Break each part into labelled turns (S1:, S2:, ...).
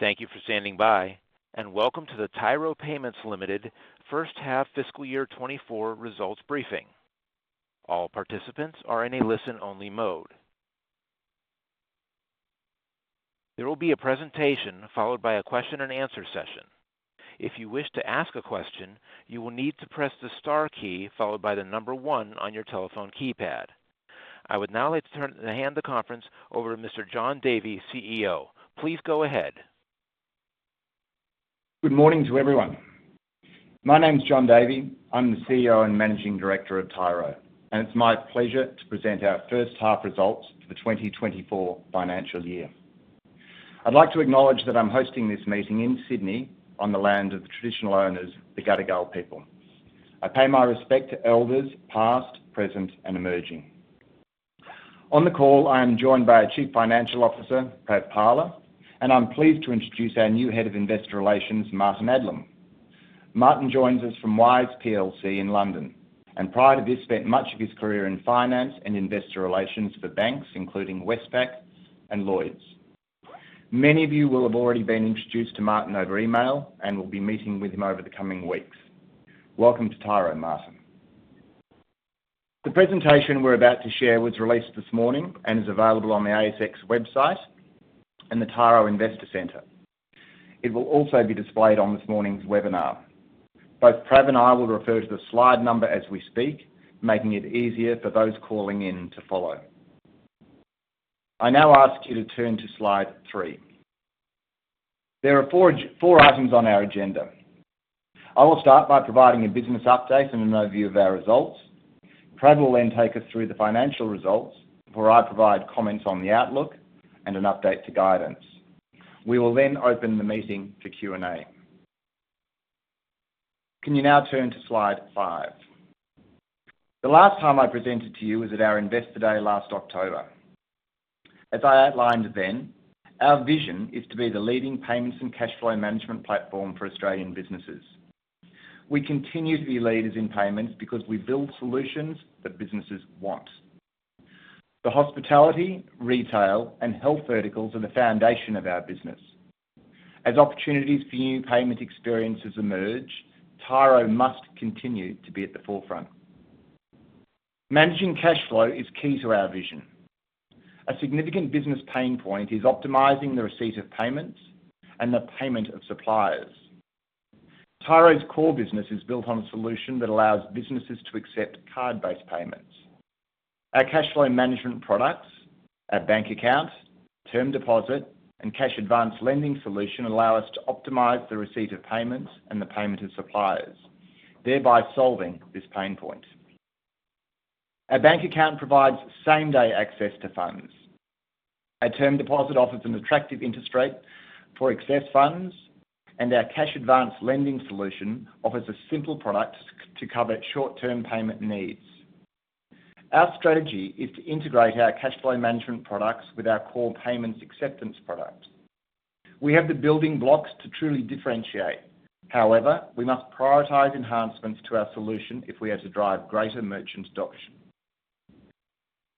S1: Thank you for standing by, and welcome to the Tyro Payments Limited First Half Fiscal Year 2024 Results Briefing. All participants are in a listen-only mode. There will be a presentation, followed by a question-and-answer session. If you wish to ask a question, you will need to press the star key, followed by the number one on your telephone keypad. I would now like to hand the conference over to Mr. Jon Davey, CEO. Please go ahead.
S2: Good morning to everyone. My name is Jon Davey. I'm the CEO and Managing Director of Tyro, and it's my pleasure to present our first half results for the 2024 financial year. I'd like to acknowledge that I'm hosting this meeting in Sydney on the land of the traditional owners, the Gadigal people. I pay my respect to elders, past, present, and emerging. On the call, I am joined by our Chief Financial Officer, Prav Pala, and I'm pleased to introduce our new Head of Investor Relations, Martyn Adlam. Martyn joins us from Wise PLC in London, and prior to this, spent much of his career in finance and investor relations for banks, including Westpac and Lloyds. Many of you will have already been introduced to Martyn over email and will be meeting with him over the coming weeks. Welcome to Tyro, Martyn. The presentation we're about to share was released this morning and is available on the ASX website and the Tyro Investor Center. It will also be displayed on this morning's webinar. Both Prav and I will refer to the slide number as we speak, making it easier for those calling in to follow. I now ask you to turn to slide 3. There are 4 items on our agenda. I will start by providing a business update and an overview of our results. Prav will then take us through the financial results, before I provide comments on the outlook and an update to guidance. We will then open the meeting to Q&A. Can you now turn to slide 5? The last time I presented to you was at our Investor Day last October. As I outlined then, our vision is to be the leading payments and cash flow management platform for Australian businesses. We continue to be leaders in payments because we build solutions that businesses want. The hospitality, retail, and health verticals are the foundation of our business. As opportunities for new payment experiences emerge, Tyro must continue to be at the forefront. Managing cash flow is key to our vision. A significant business pain point is optimizing the receipt of payments and the payment of suppliers. Tyro's core business is built on a solution that allows businesses to accept card-based payments. Our cash flow management products, our bank accounts, term deposit, and cash advance lending solution allow us to optimize the receipt of payments and the payment of suppliers, thereby solving this pain point. Our bank account provides same-day access to funds. Our term deposit offers an attractive interest rate for excess funds, and our cash advance lending solution offers a simple products to cover short-term payment needs. Our strategy is to integrate our cash flow management products with our core payments acceptance products. We have the building blocks to truly differentiate. However, we must prioritize enhancements to our solution if we are to drive greater merchant adoption.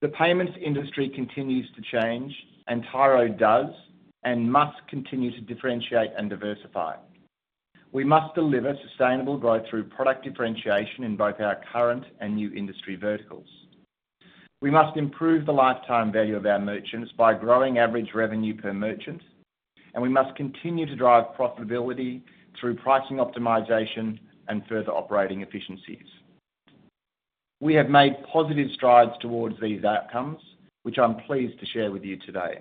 S2: The payments industry continues to change, and Tyro does and must continue to differentiate and diversify. We must deliver sustainable growth through product differentiation in both our current and new industry verticals. We must improve the lifetime value of our merchants by growing average revenue per merchant, and we must continue to drive profitability through pricing optimization and further operating efficiencies. We have made positive strides towards these outcomes, which I'm pleased to share with you today.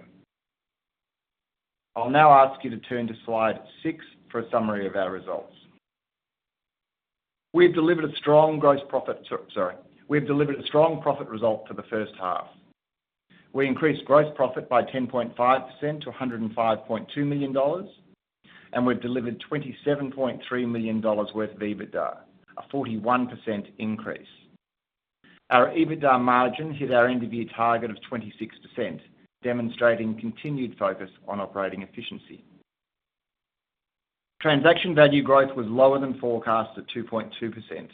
S2: I'll now ask you to turn to slide 6 for a summary of our results. Sorry. We've delivered a strong profit result for the first half. We increased gross profit by 10.5% to 105.2 million dollars, and we've delivered 27.3 million dollars worth of EBITDA, a 41% increase. Our EBITDA margin hit our end-of-year target of 26%, demonstrating continued focus on operating efficiency. Transaction value growth was lower than forecast at 2.2%,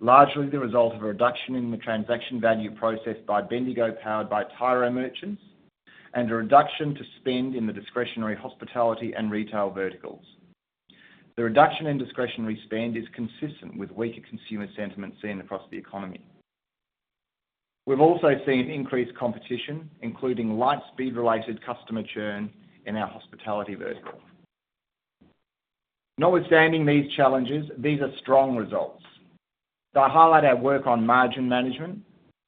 S2: largely the result of a reduction in the transaction value processed by Bendigo powered by Tyro merchants, and a reduction to spend in the discretionary hospitality and retail verticals. The reduction in discretionary spend is consistent with weaker consumer sentiment seen across the economy. We've also seen increased competition, including Lightspeed-related customer churn in our hospitality vertical. Notwithstanding these challenges, these are strong results. They highlight our work on margin management,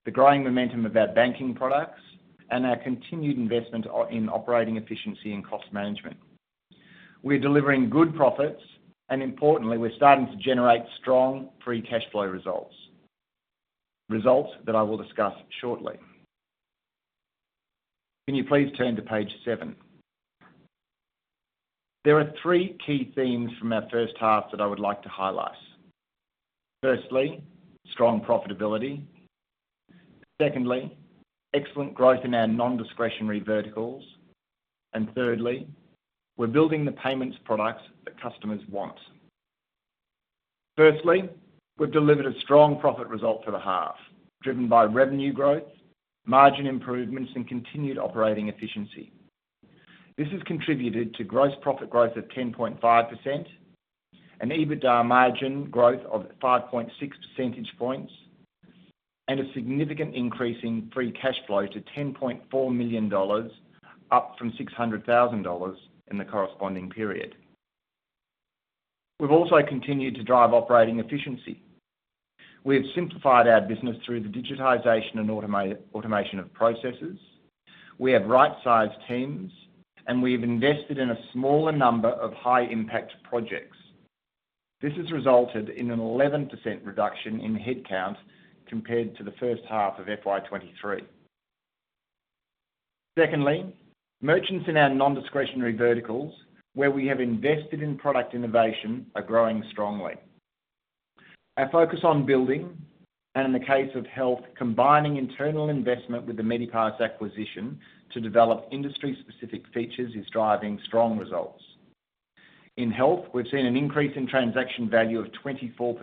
S2: the growing momentum of our banking products, and our continued investment in operating efficiency and cost management. We're delivering good profits, and importantly, we're starting to generate strong free cash flow results. Results that I will discuss shortly. Can you please turn to page seven? There are three key themes from our first half that I would like to highlight. Firstly, strong profitability. Secondly, excellent growth in our non-discretionary verticals. And thirdly, we're building the payments products that customers want. Firstly, we've delivered a strong profit result for the half, driven by revenue growth, margin improvements, and continued operating efficiency. This has contributed to gross profit growth of 10.5%, an EBITDA margin growth of 5.6 percentage points, and a significant increase in free cash flow to 10.4 million dollars, up from 600,000 dollars in the corresponding period. We've also continued to drive operating efficiency. We have simplified our business through the digitization and automation of processes. We have right-sized teams, and we have invested in a smaller number of high-impact projects. This has resulted in an 11% reduction in headcount compared to the first half of FY 2023. Secondly, merchants in our non-discretionary verticals, where we have invested in product innovation, are growing strongly. Our focus on building, and in the case of health, combining internal investment with the Medipass acquisition to develop industry-specific features, is driving strong results. In health, we've seen an increase in transaction value of 24%.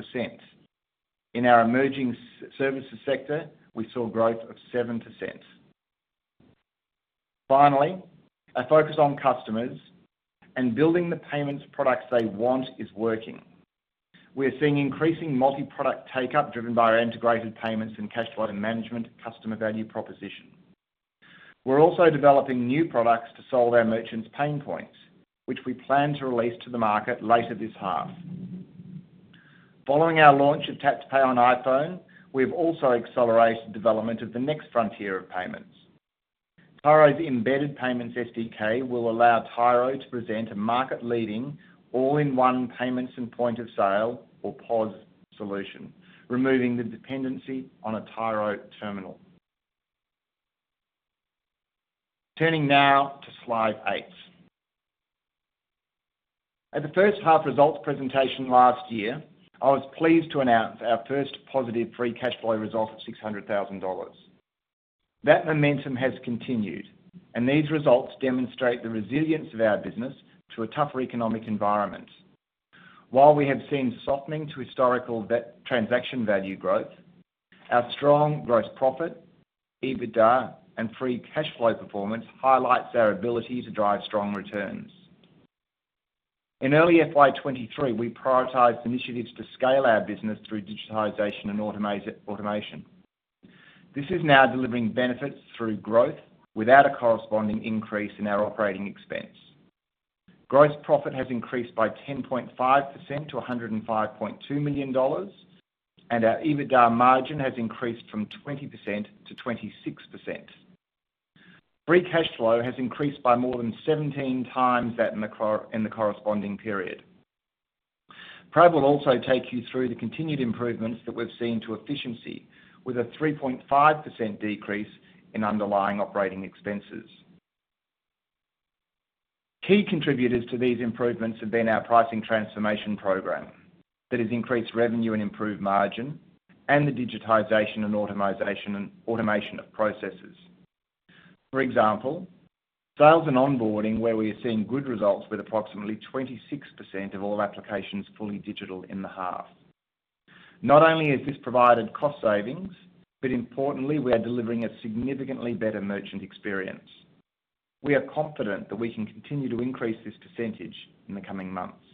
S2: In our emerging services sector, we saw growth of 7%. Finally, our focus on customers and building the payments products they want is working. We are seeing increasing multi-product take-up, driven by our integrated payments and cash flow management customer value proposition. We're also developing new products to solve our merchants' pain points, which we plan to release to the market later this half. Following our launch of Tap to Pay on iPhone, we've also accelerated development of the next frontier of payments. Tyro's embedded payments SDK will allow Tyro to present a market-leading, all-in-one payments and point-of-sale, or POS, solution, removing the dependency on a Tyro terminal. Turning now to Slide 8. At the first half results presentation last year, I was pleased to announce our first positive free cash flow result of 600,000 dollars. That momentum has continued, and these results demonstrate the resilience of our business to a tougher economic environment. While we have seen softening to historical transaction value growth, our strong gross profit, EBITDA, and free cash flow performance highlights our ability to drive strong returns. In early FY 2023, we prioritized initiatives to scale our business through digitization and automation. This is now delivering benefits through growth without a corresponding increase in our operating expense. Gross profit has increased by 10.5% to 105.2 million dollars, and our EBITDA margin has increased from 20% to 26%. Free cash flow has increased by more than 17 times that in the corresponding period. Prav will also take you through the continued improvements that we've seen to efficiency, with a 3.5% decrease in underlying operating expenses. Key contributors to these improvements have been our pricing transformation program that has increased revenue and improved margin, and the digitization and automization and automation of processes. For example, sales and onboarding, where we are seeing good results with approximately 26% of all applications fully digital in the half. Not only has this provided cost savings, but importantly, we are delivering a significantly better merchant experience. We are confident that we can continue to increase this percentage in the coming months.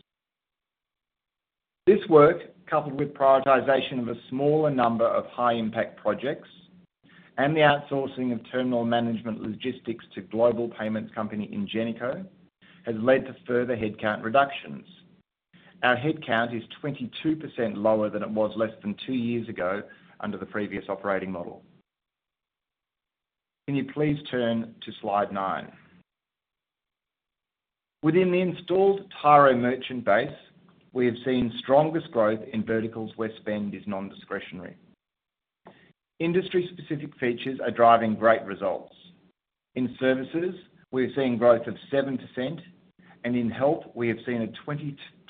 S2: This work, coupled with prioritization of a smaller number of high-impact projects and the outsourcing of terminal management logistics to global payments company, Ingenico, has led to further headcount reductions. Our headcount is 22% lower than it was less than two years ago under the previous operating model. Can you please turn to Slide 9? Within the installed Tyro merchant base, we have seen strongest growth in verticals where spend is non-discretionary. Industry-specific features are driving great results. In services, we're seeing growth of 7%, and in health, we have seen a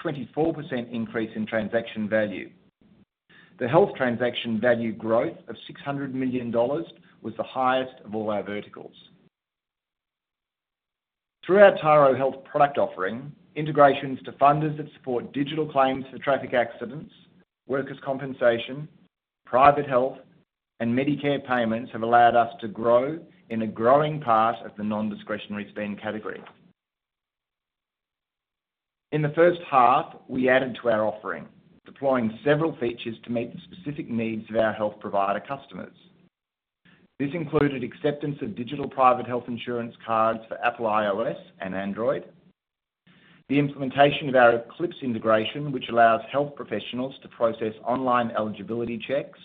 S2: 24% increase in transaction value. The health transaction value growth of 600 million dollars was the highest of all our verticals. Through our Tyro Health product offering, integrations to funders that support digital claims for traffic accidents, workers' compensation, private health, and Medicare payments have allowed us to grow in a growing part of the non-discretionary spend category. In the first half, we added to our offering, deploying several features to meet the specific needs of our health provider customers. This included acceptance of digital private health insurance cards for Apple iOS and Android, the implementation of our Eclipse integration, which allows health professionals to process online eligibility checks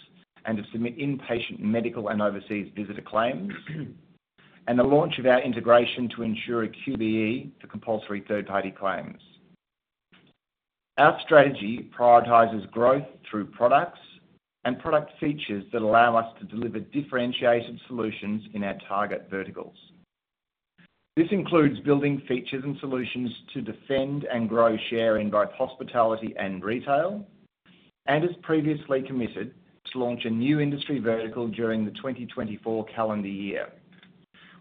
S2: and to submit inpatient, medical, and overseas visitor claims, and the launch of our integration for QBE compulsory third-party claims. Our strategy prioritizes growth through products and product features that allow us to deliver differentiated solutions in our target verticals. This includes building features and solutions to defend and grow share in both hospitality and retail, and as previously committed, to launch a new industry vertical during the 2024 calendar year.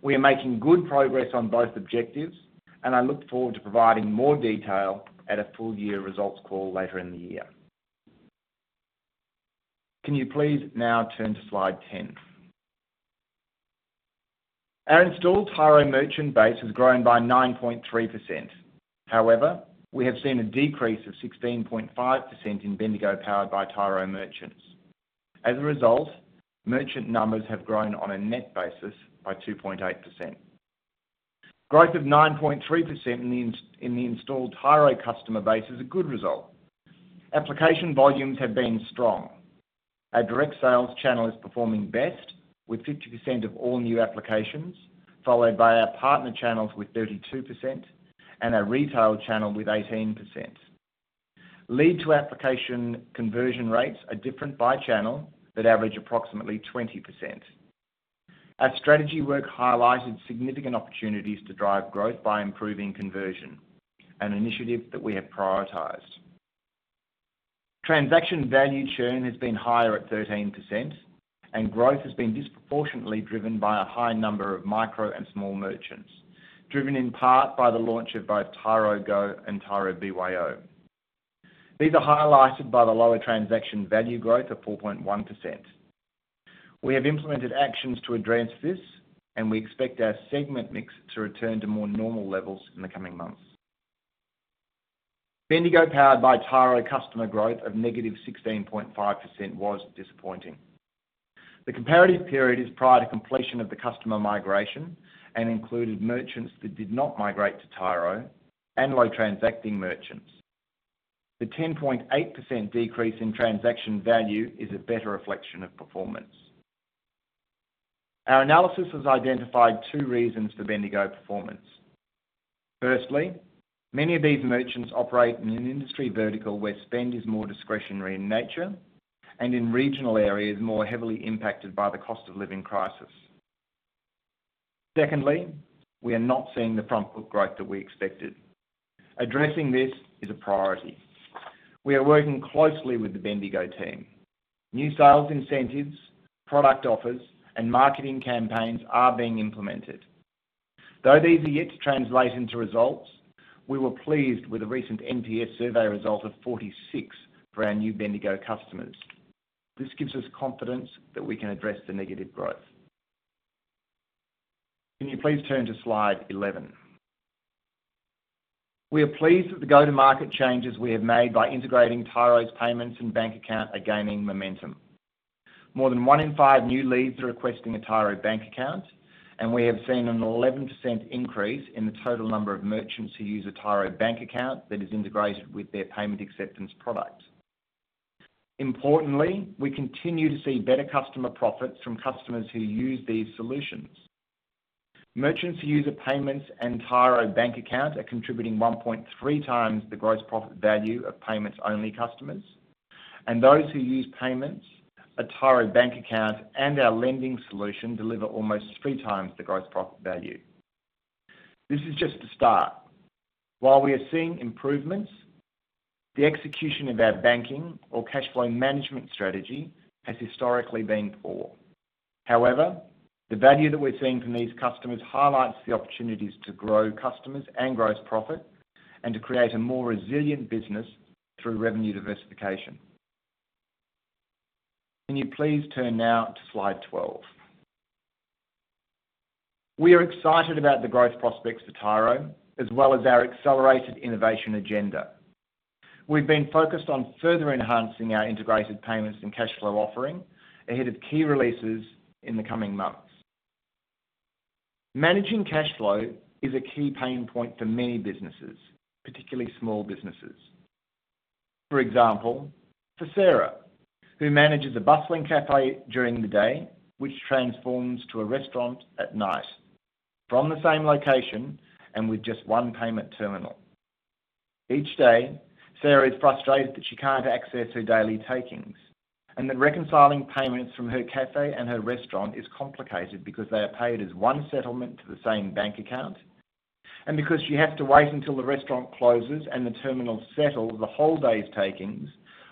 S2: We are making good progress on both objectives, and I look forward to providing more detail at a full year results call later in the year. Can you please now turn to Slide 10? Our installed Tyro merchant base has grown by 9.3%. However, we have seen a decrease of 16.5% in Bendigo Powered by Tyro merchants. As a result, merchant numbers have grown on a net basis by 2.8%. Growth of 9.3% in the installed Tyro customer base is a good result. Application volumes have been strong. Our direct sales channel is performing best, with 50% of all new applications, followed by our partner channels with 32% and our retail channel with 18%. Lead to application conversion rates are different by channel, but average approximately 20%. Our strategy work highlighted significant opportunities to drive growth by improving conversion, an initiative that we have prioritized. Transaction value churn has been higher at 13%, and growth has been disproportionately driven by a high number of micro and small merchants, driven in part by the launch of both Tyro Go and Tyro BYO. These are highlighted by the lower transaction value growth of 4.1%. We have implemented actions to address this, and we expect our segment mix to return to more normal levels in the coming months. Bendigo Powered by Tyro customer growth of -16.5% was disappointing. The comparative period is prior to completion of the customer migration and included merchants that did not migrate to Tyro and low-transacting merchants. The 10.8% decrease in transaction value is a better reflection of performance. Our analysis has identified two reasons for Bendigo performance. Firstly, many of these merchants operate in an industry vertical where spend is more discretionary in nature, and in regional areas, more heavily impacted by the cost of living crisis. Secondly, we are not seeing the front foot growth that we expected. Addressing this is a priority. We are working closely with the Bendigo team. New sales incentives, product offers, and marketing campaigns are being implemented. Though these are yet to translate into results, we were pleased with the recent NPS survey result of 46 for our new Bendigo customers. This gives us confidence that we can address the negative growth. Can you please turn to Slide 11? We are pleased that the go-to-market changes we have made by integrating Tyro's payments and bank account are gaining momentum. More than one in five new leads are requesting a Tyro bank account, and we have seen an 11% increase in the total number of merchants who use a Tyro bank account that is integrated with their payment acceptance product. Importantly, we continue to see better customer profits from customers who use these solutions. Merchants who use the payments and Tyro bank account are contributing 1.3 times the gross profit value of payments-only customers, and those who use payments, a Tyro bank account, and our lending solution, deliver almost 3 times the gross profit value. This is just a start. While we are seeing improvements, the execution of our banking or cashflow management strategy has historically been poor. However, the value that we're seeing from these customers highlights the opportunities to grow customers and gross profit, and to create a more resilient business through revenue diversification. Can you please turn now to Slide 12? We are excited about the growth prospects for Tyro, as well as our accelerated innovation agenda. We've been focused on further enhancing our integrated payments and cashflow offering ahead of key releases in the coming months. Managing cashflow is a key pain point for many businesses, particularly small businesses. For example, for Sarah, who manages a bustling cafe during the day, which transforms to a restaurant at night, from the same location and with just 1 payment terminal. Each day, Sarah is frustrated that she can't access her daily takings, and that reconciling payments from her cafe and her restaurant is complicated because they are paid as one settlement to the same bank account, and because she has to wait until the restaurant closes and the terminal settle the whole day's takings,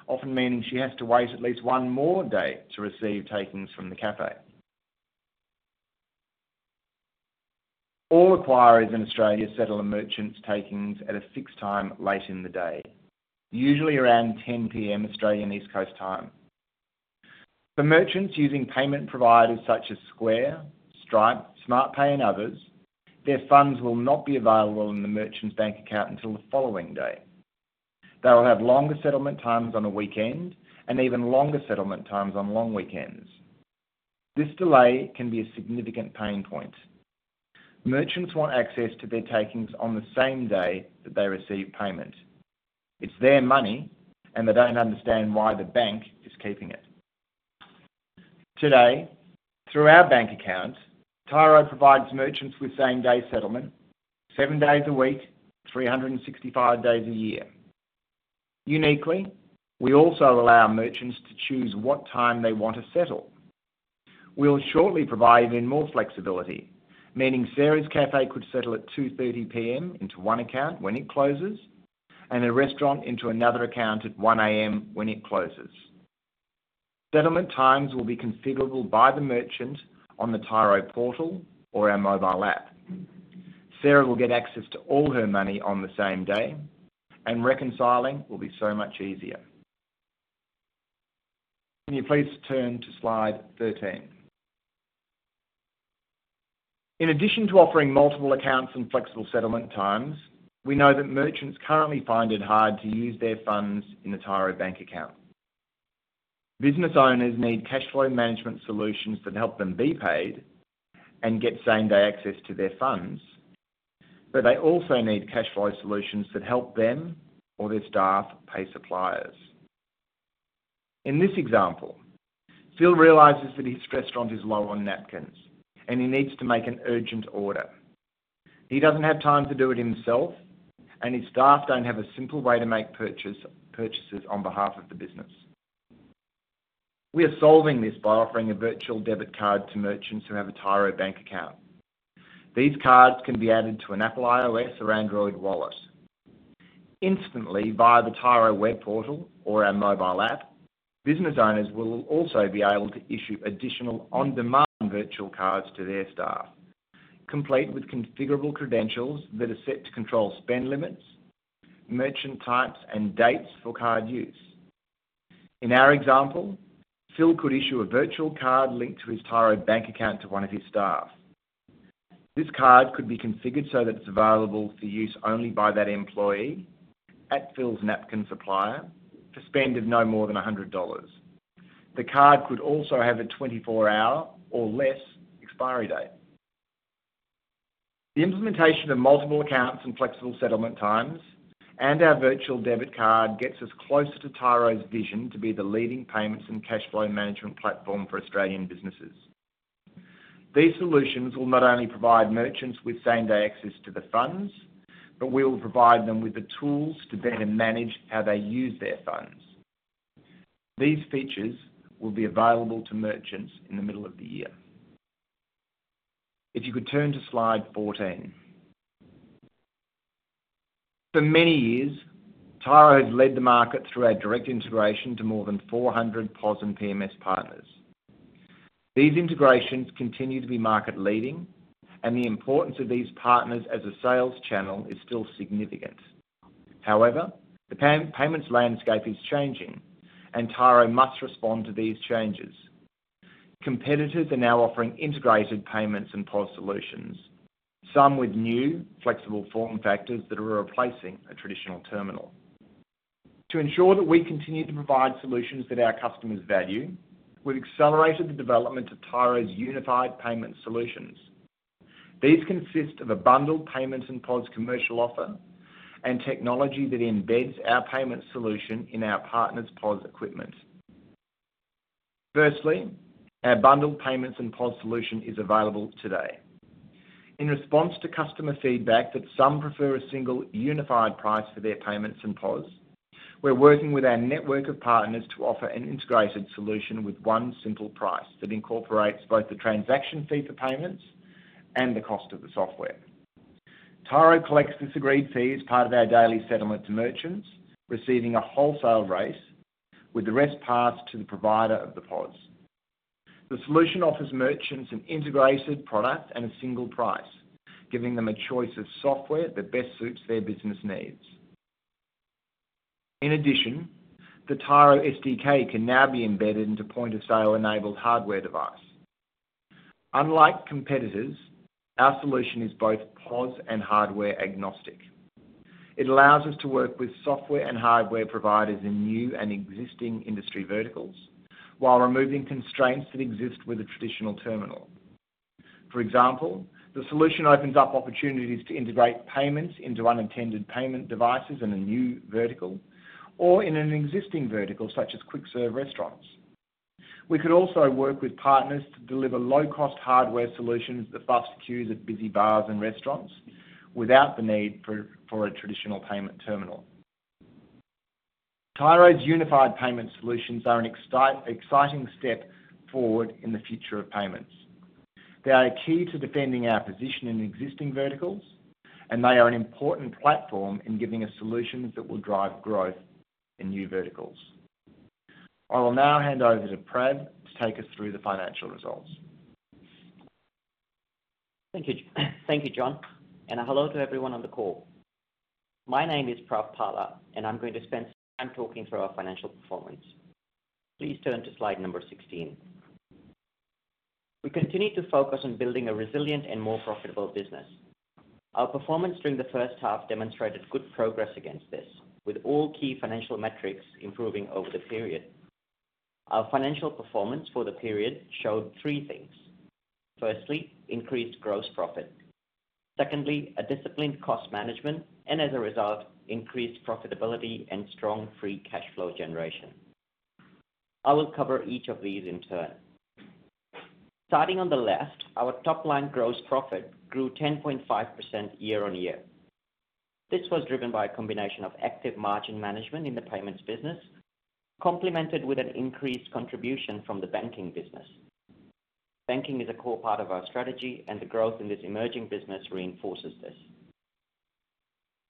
S2: often meaning she has to wait at least one more day to receive takings from the cafe. All acquirers in Australia settle a merchant's takings at a fixed time, late in the day, usually around 10 P.M., Australian East Coast Time. For merchants using payment providers such as Square, Stripe, Smartpay, and others, their funds will not be available in the merchant's bank account until the following day. They will have longer settlement times on a weekend, and even longer settlement times on long weekends. This delay can be a significant pain point. Merchants want access to their takings on the same day that they receive payment. It's their money, and they don't understand why the bank is keeping it. Today, through our bank account, Tyro provides merchants with same-day settlement, seven days a week, 365 days a year. Uniquely, we also allow merchants to choose what time they want to settle. We'll shortly provide even more flexibility, meaning Sarah's cafe could settle at 2:30 P.M. into one account when it closes, and a restaurant into another account at 1:00 A.M. when it closes. Settlement times will be configurable by the merchant on the Tyro portal or our mobile app. Sarah will get access to all her money on the same day, and reconciling will be so much easier. Can you please turn to slide 13? In addition to offering multiple accounts and flexible settlement times, we know that merchants currently find it hard to use their funds in a Tyro bank account. Business owners need cash flow management solutions that help them be paid and get same-day access to their funds, but they also need cash flow solutions that help them or their staff pay suppliers. In this example, Phil realizes that his restaurant is low on napkins, and he needs to make an urgent order. He doesn't have time to do it himself, and his staff don't have a simple way to make purchases on behalf of the business. We are solving this by offering a virtual debit card to merchants who have a Tyro bank account. These cards can be added to an Apple iOS or Android Wallet. Instantly, via the Tyro web portal or our mobile app, business owners will also be able to issue additional on-demand virtual cards to their staff, complete with configurable credentials that are set to control spend limits, merchant types, and dates for card use. In our example, Phil could issue a virtual card linked to his Tyro bank account to one of his staff. This card could be configured so that it's available for use only by that employee, at Phil's napkin supplier, to spend of no more than 100 dollars. The card could also have a 24-hour or less expiry date. The implementation of multiple accounts and flexible settlement times, and our virtual debit card, gets us closer to Tyro's vision to be the leading payments and cash flow management platform for Australian businesses. These solutions will not only provide merchants with same-day access to the funds, but we will provide them with the tools to better manage how they use their funds. These features will be available to merchants in the middle of the year. If you could turn to slide 14. For many years, Tyro has led the market through our direct integration to more than 400 POS and PMS partners. These integrations continue to be market-leading, and the importance of these partners as a sales channel is still significant. However, the payments landscape is changing, and Tyro must respond to these changes. Competitors are now offering integrated payments and POS solutions, some with new flexible form factors that are replacing a traditional terminal. To ensure that we continue to provide solutions that our customers value, we've accelerated the development of Tyro's unified payment solutions. These consist of a bundled payments and POS commercial offer, and technology that embeds our payment solution in our partner's POS equipment. Firstly, our bundled payments and POS solution is available today. In response to customer feedback that some prefer a single, unified price for their payments and POS, we're working with our network of partners to offer an integrated solution with one simple price, that incorporates both the transaction fee for payments and the cost of the software. Tyro collects this agreed fee as part of our daily settlement to merchants, receiving a wholesale price, with the rest passed to the provider of the POS. The solution offers merchants an integrated product and a single price, giving them a choice of software that best suits their business needs. In addition, the Tyro SDK can now be embedded into point-of-sale-enabled hardware device. Unlike competitors, our solution is both POS and hardware-agnostic. It allows us to work with software and hardware providers in new and existing industry verticals, while removing constraints that exist with a traditional terminal. For example, the solution opens up opportunities to integrate payments into unintended payment devices in a new vertical or in an existing vertical, such as quick-serve restaurants. We could also work with partners to deliver low-cost hardware solutions that bust queues at busy bars and restaurants without the need for a traditional payment terminal. Tyro's unified payment solutions are an exciting step forward in the future of payments. They are key to defending our position in existing verticals, and they are an important platform in giving us solutions that will drive growth in new verticals. I will now hand over to Prav to take us through the financial results.
S3: Thank you. Thank you, Jon, and hello to everyone on the call. My name is Prav Pala, and I'm going to spend time talking through our financial performance. Please turn to slide number 16. We continue to focus on building a resilient and more profitable business. Our performance during the first half demonstrated good progress against this, with all key financial metrics improving over the period. Our financial performance for the period showed three things: firstly, increased gross profit. Secondly, a disciplined cost management. And as a result, increased profitability and strong free cash flow generation. I will cover each of these in turn. Starting on the left, our top-line gross profit grew 10.5% year-on-year. This was driven by a combination of active margin management in the payments business, complemented with an increased contribution from the banking business. Banking is a core part of our strategy, and the growth in this emerging business reinforces this.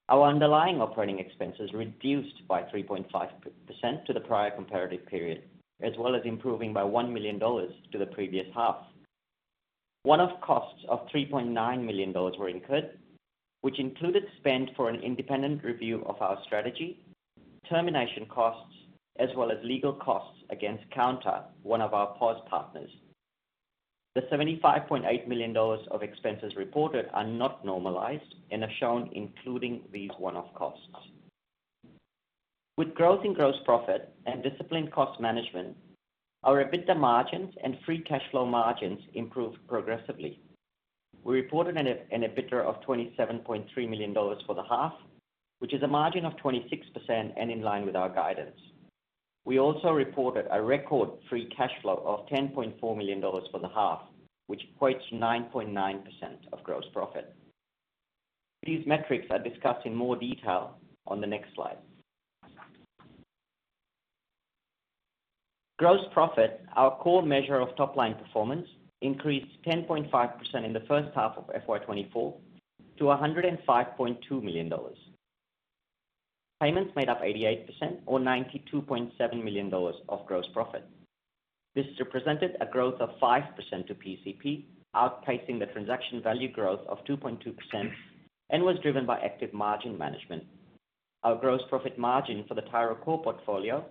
S3: Our underlying operating expenses reduced by 3.5% to the prior comparative period, as well as improving by 1 million dollars to the previous half. One-off costs of 3.9 million dollars were incurred, which included spend for an independent review of our strategy, termination costs, as well as legal costs against Kounta, one of our POS partners. The 75.8 million dollars of expenses reported are not normalized and are shown including these one-off costs. With growth in gross profit and disciplined cost management, our EBITDA margins and free cash flow margins improved progressively. We reported an EBITDA of 27.3 million dollars for the half, which is a margin of 26% and in line with our guidance. We also reported a record free cash flow of 10.4 million dollars for the half, which equates to 9.9% of gross profit. These metrics are discussed in more detail on the next slide. Gross profit, our core measure of top-line performance, increased 10.5% in the first half of FY 2024 to 105.2 million dollars. Payments made up 88% or 92.7 million dollars of gross profit. This represented a growth of 5% to PCP, outpacing the transaction value growth of 2.2%, and was driven by active margin management. Our gross profit margin for the Tyro core portfolio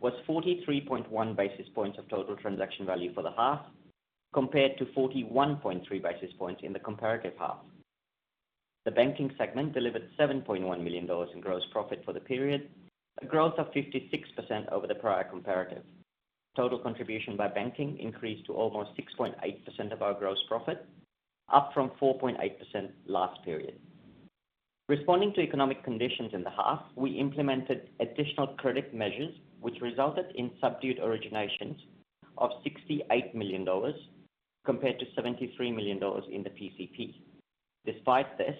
S3: was 43.1 basis points of total transaction value for the half, compared to 41.3 basis points in the comparative half. The banking segment delivered 7.1 million dollars in gross profit for the period, a growth of 56% over the prior comparative. Total contribution by banking increased to almost 6.8% of our gross profit, up from 4.8% last period. Responding to economic conditions in the half, we implemented additional credit measures, which resulted in subdued originations of 68 million dollars compared to 73 million dollars in the PCP. Despite this,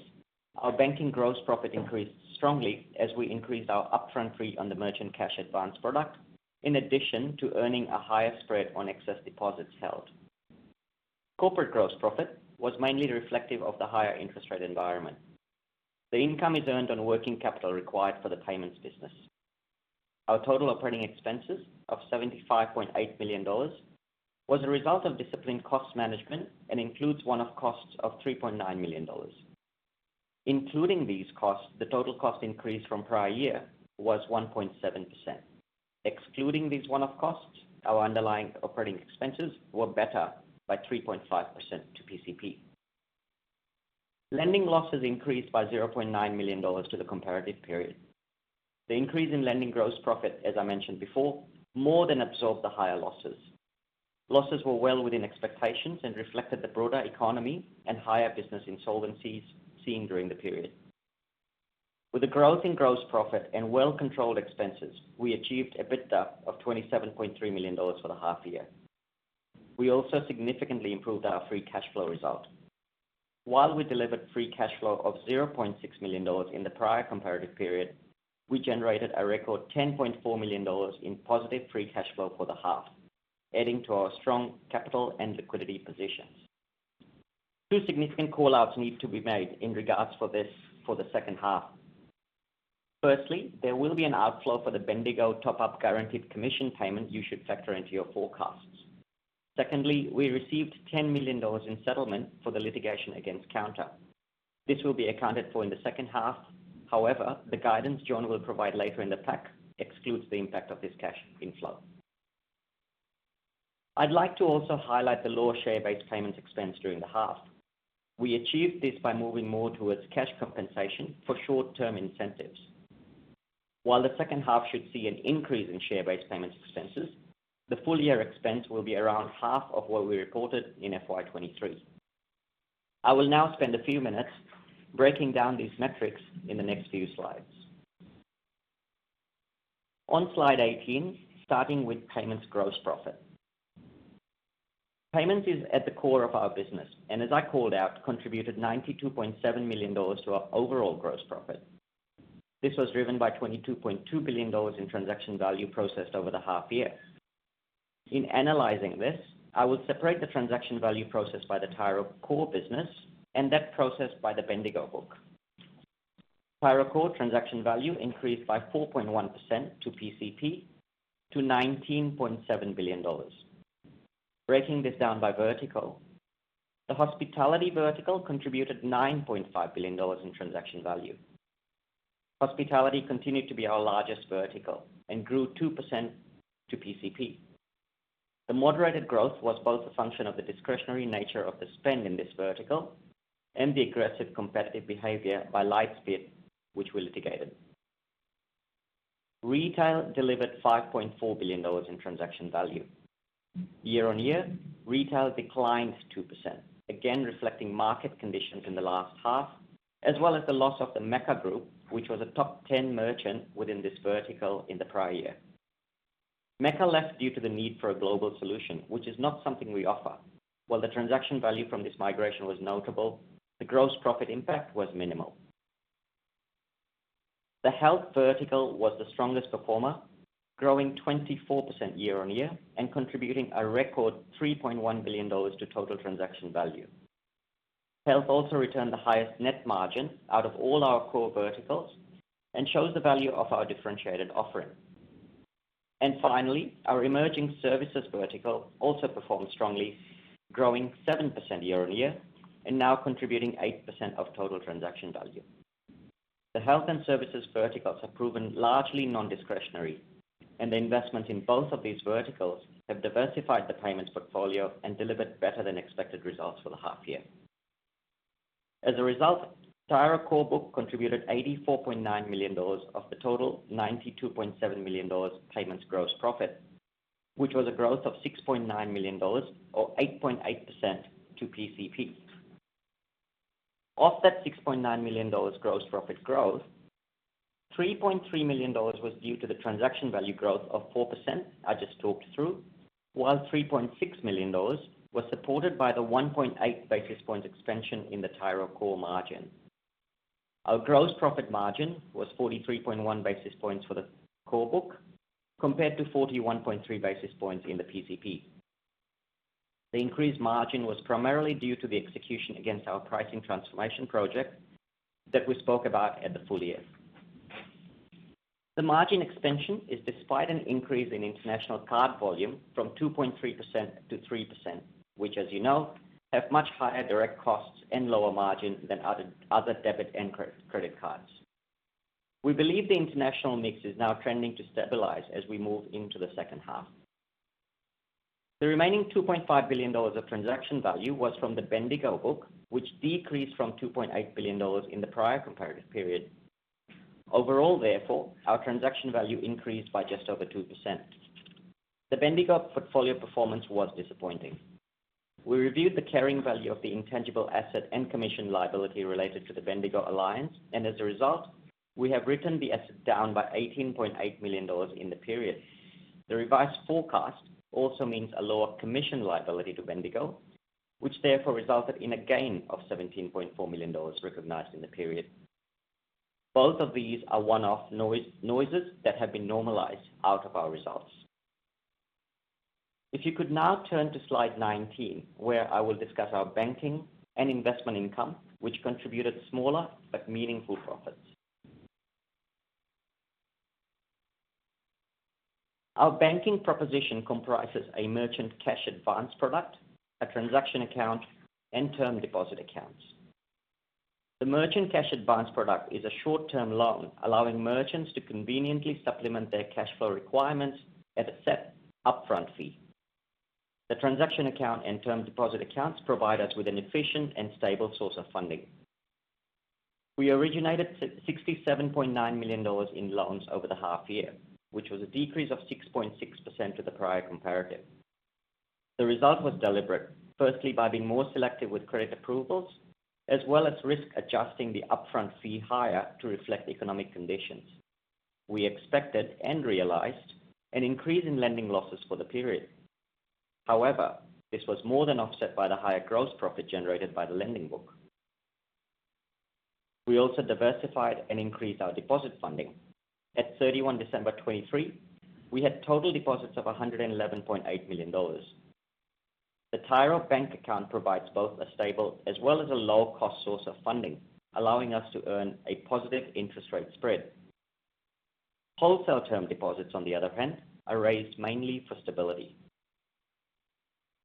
S3: our banking gross profit increased strongly as we increased our upfront fee on the merchant cash advance product, in addition to earning a higher spread on excess deposits held. Corporate gross profit was mainly reflective of the higher interest rate environment. The income is earned on working capital required for the payments business. Our total operating expenses of 75.8 million dollars was a result of disciplined cost management and includes one-off costs of 3.9 million dollars. Including these costs, the total cost increase from prior year was 1.7%. Excluding these one-off costs, our underlying operating expenses were better by 3.5% to PCP. Lending losses increased by 0.9 million dollars to the comparative period. The increase in lending gross profit, as I mentioned before, more than absorbed the higher losses. Losses were well within expectations and reflected the broader economy and higher business insolvencies seen during the period. With a growth in gross profit and well-controlled expenses, we achieved EBITDA of 27.3 million dollars for the half year. We also significantly improved our free cash flow result. While we delivered free cash flow of 0.6 million dollars in the prior comparative period, we generated a record 10.4 million dollars in positive free cash flow for the half, adding to our strong capital and liquidity positions. Two significant call-outs need to be made in regards for this for the second half. Firstly, there will be an outflow for the Bendigo top-up guaranteed commission payment you should factor into your forecasts. Secondly, we received 10 million dollars in settlement for the litigation against Kounta. This will be accounted for in the second half. However, the guidance Jon will provide later in the pack excludes the impact of this cash inflow. I'd like to also highlight the lower share-based payment expense during the half. We achieved this by moving more towards cash compensation for short-term incentives. While the second half should see an increase in share-based payment expenses, the full year expense will be around half of what we reported in FY 2023. I will now spend a few minutes breaking down these metrics in the next few slides. On Slide 18, starting with payments gross profit. Payments is at the core of our business, and as I called out, contributed 92.7 million dollars to our overall gross profit. This was driven by 22.2 billion dollars in transaction value processed over the half year. In analyzing this, I will separate the transaction value processed by the Tyro core business and that processed by the Bedigo Book. Tyro core transaction value increased by 4.1% to PCP to 19.7 billion dollars. Breaking this down by vertical, the hospitality vertical contributed 9.5 billion dollars in transaction value. Hospitality continued to be our largest vertical and grew 2% to PCP. The moderated growth was both a function of the discretionary nature of the spend in this vertical and the aggressive competitive behavior by Lightspeed, which we litigated. Retail delivered 5.4 billion dollars in transaction value. Year-on-year, retail declined 2%, again, reflecting market conditions in the last half, as well as the loss of the Mecca group, which was a top 10 merchant within this vertical in the prior year. Mecca left due to the need for a global solution, which is not something we offer. While the transaction value from this migration was notable, the gross profit impact was minimal. The health vertical was the strongest performer, growing 24% year-on-year, and contributing a record 3.1 billion dollars to total transaction value. Health also returned the highest net margin out of all our core verticals and shows the value of our differentiated offering. Finally, our emerging services vertical also performed strongly, growing 7% year-on-year, and now contributing 8% of total transaction value. The health and services verticals have proven largely non-discretionary, and the investment in both of these verticals have diversified the payments portfolio and delivered better than expected results for the half year. As a result, Tyro core book contributed 84.9 million dollars of the total 92.7 million dollars payments gross profit, which was a growth of 6.9 million dollars or 8.8% to PCP. Of that 6.9 million dollars gross profit growth, 3.3 million dollars was due to the transaction value growth of 4% I just talked through, while 3.6 million dollars was supported by the 1.8 basis points expansion in the Tyro core margin. Our gross profit margin was 43.1 basis points for the core book, compared to 41.3 basis points in the PCP. The increased margin was primarily due to the execution against our pricing transformation project that we spoke about at the full year. The margin expansion is despite an increase in international card volume from 2.3% to 3%, which, as you know, have much higher direct costs and lower margin than other debit and credit cards. We believe the international mix is now trending to stabilize as we move into the second half. The remaining 2.5 billion dollars of transaction value was from the Bendigo book, which decreased from 2.8 billion dollars in the prior comparative period. Overall, therefore, our transaction value increased by just over 2%. The Bendigo portfolio performance was disappointing. We reviewed the carrying value of the intangible asset and commission liability related to the Bendigo Alliance, and as a result, we have written the asset down by 18.8 million dollars in the period. The revised forecast also means a lower commission liability to Bendigo, which therefore resulted in a gain of 17.4 million dollars recognized in the period. Both of these are one-off noises that have been normalized out of our results. If you could now turn to Slide 19, where I will discuss our banking and investment income, which contributed smaller but meaningful profits. Our banking proposition comprises a merchant cash advance product, a transaction account, and term deposit accounts. The merchant cash advance product is a short-term loan, allowing merchants to conveniently supplement their cash flow requirements at a set upfront fee. The transaction account and term deposit accounts provide us with an efficient and stable source of funding. We originated sixty-seven point nine million dollars in loans over the half year, which was a decrease of six point six percent to the prior comparative. The result was deliberate, firstly, by being more selective with credit approvals, as well as risk adjusting the upfront fee higher to reflect economic conditions. We expected and realized an increase in lending losses for the period. However, this was more than offset by the higher gross profit generated by the lending book. We also diversified and increased our deposit funding. At 31 December 2023, we had total deposits of 111.8 million dollars. The Tyro bank account provides both a stable as well as a low-cost source of funding, allowing us to earn a positive interest rate spread. Wholesale term deposits, on the other hand, are raised mainly for stability.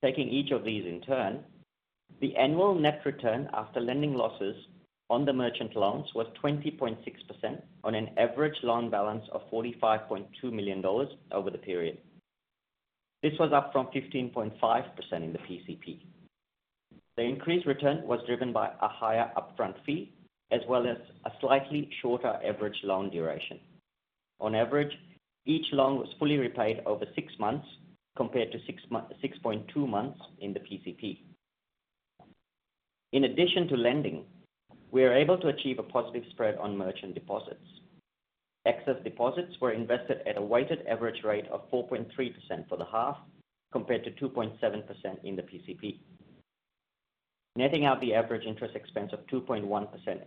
S3: Taking each of these in turn, the annual net return after lending losses on the merchant loans was 20.6% on an average loan balance of 45.2 million dollars over the period. This was up from 15.5% in the PCP. The increased return was driven by a higher upfront fee, as well as a slightly shorter average loan duration. On average, each loan was fully repaid over 6 months, compared to 6.2 months in the PCP. In addition to lending, we are able to achieve a positive spread on merchant deposits. Excess deposits were invested at a weighted average rate of 4.3% for the half, compared to 2.7% in the PCP. Netting out the average interest expense of 2.1%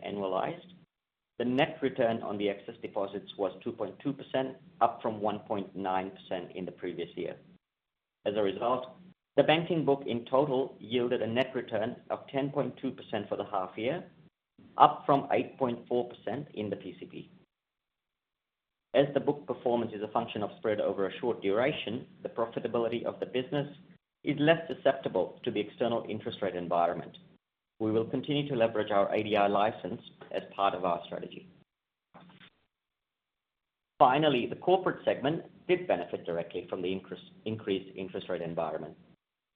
S3: annualized, the net return on the excess deposits was 2.2%, up from 1.9% in the previous year. As a result, the banking book in total yielded a net return of 10.2% for the half year, up from 8.4% in the PCP. As the book performance is a function of spread over a short duration, the profitability of the business is less susceptible to the external interest rate environment. We will continue to leverage our ADI license as part of our strategy. Finally, the corporate segment did benefit directly from the increased interest rate environment.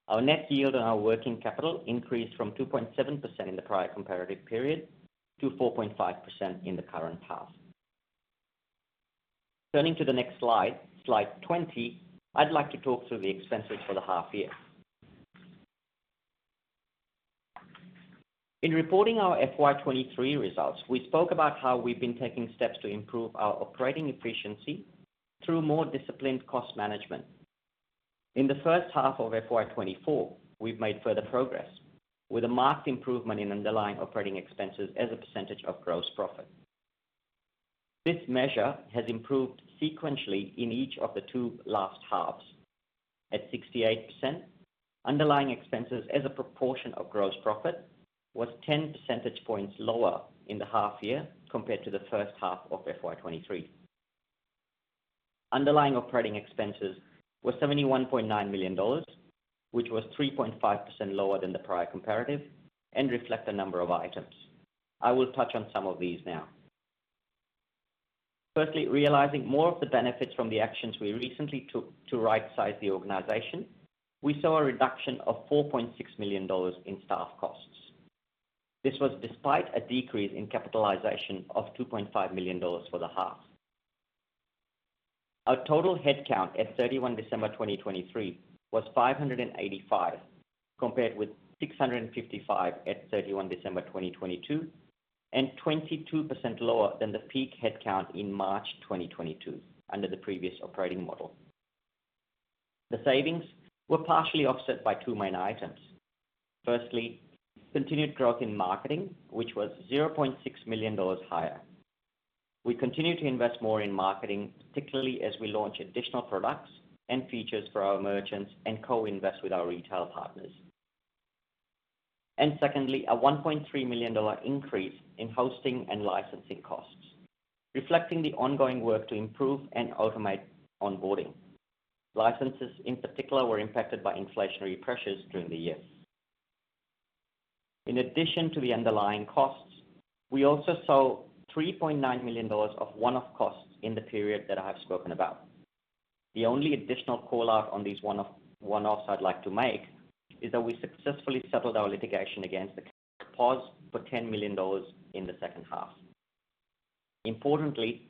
S3: Our net yield on our working capital increased from 2.7% in the prior comparative period to 4.5% in the current period. Turning to the next slide, slide 20, I'd like to talk through the expenses for the half year. In reporting our FY 2023 results, we spoke about how we've been taking steps to improve our operating efficiency through more disciplined cost management.... In the first half of FY 2024, we've made further progress, with a marked improvement in underlying operating expenses as a percentage of gross profit. This measure has improved sequentially in each of the last two halves. At 68%, underlying expenses as a proportion of gross profit was 10 percentage points lower in the half year compared to the first half of FY 2023. Underlying operating expenses were 71.9 million dollars, which was 3.5% lower than the prior comparative, and reflect a number of items. I will touch on some of these now. Firstly, realizing more of the benefits from the actions we recently took to rightsize the organization, we saw a reduction of 4.6 million dollars in staff costs. This was despite a decrease in capitalization of 2.5 million dollars for the half. Our total headcount at 31 December 2023 was 585, compared with 655 at 31 December 2022, and 22% lower than the peak headcount in March 2022, under the previous operating model. The savings were partially offset by two main items. Firstly, continued growth in marketing, which was 0.6 million dollars higher. We continue to invest more in marketing, particularly as we launch additional products and features for our merchants, and co-invest with our retail partners. And secondly, a 1.3 million dollar increase in hosting and licensing costs, reflecting the ongoing work to improve and automate onboarding. Licenses, in particular, were impacted by inflationary pressures during the year. In addition to the underlying costs, we also saw 3.9 million dollars of one-off costs in the period that I have spoken about. The only additional call-out on these one-off, one-offs I'd like to make, is that we successfully settled our litigation against Kounta for 10 million dollars in the second half. Importantly,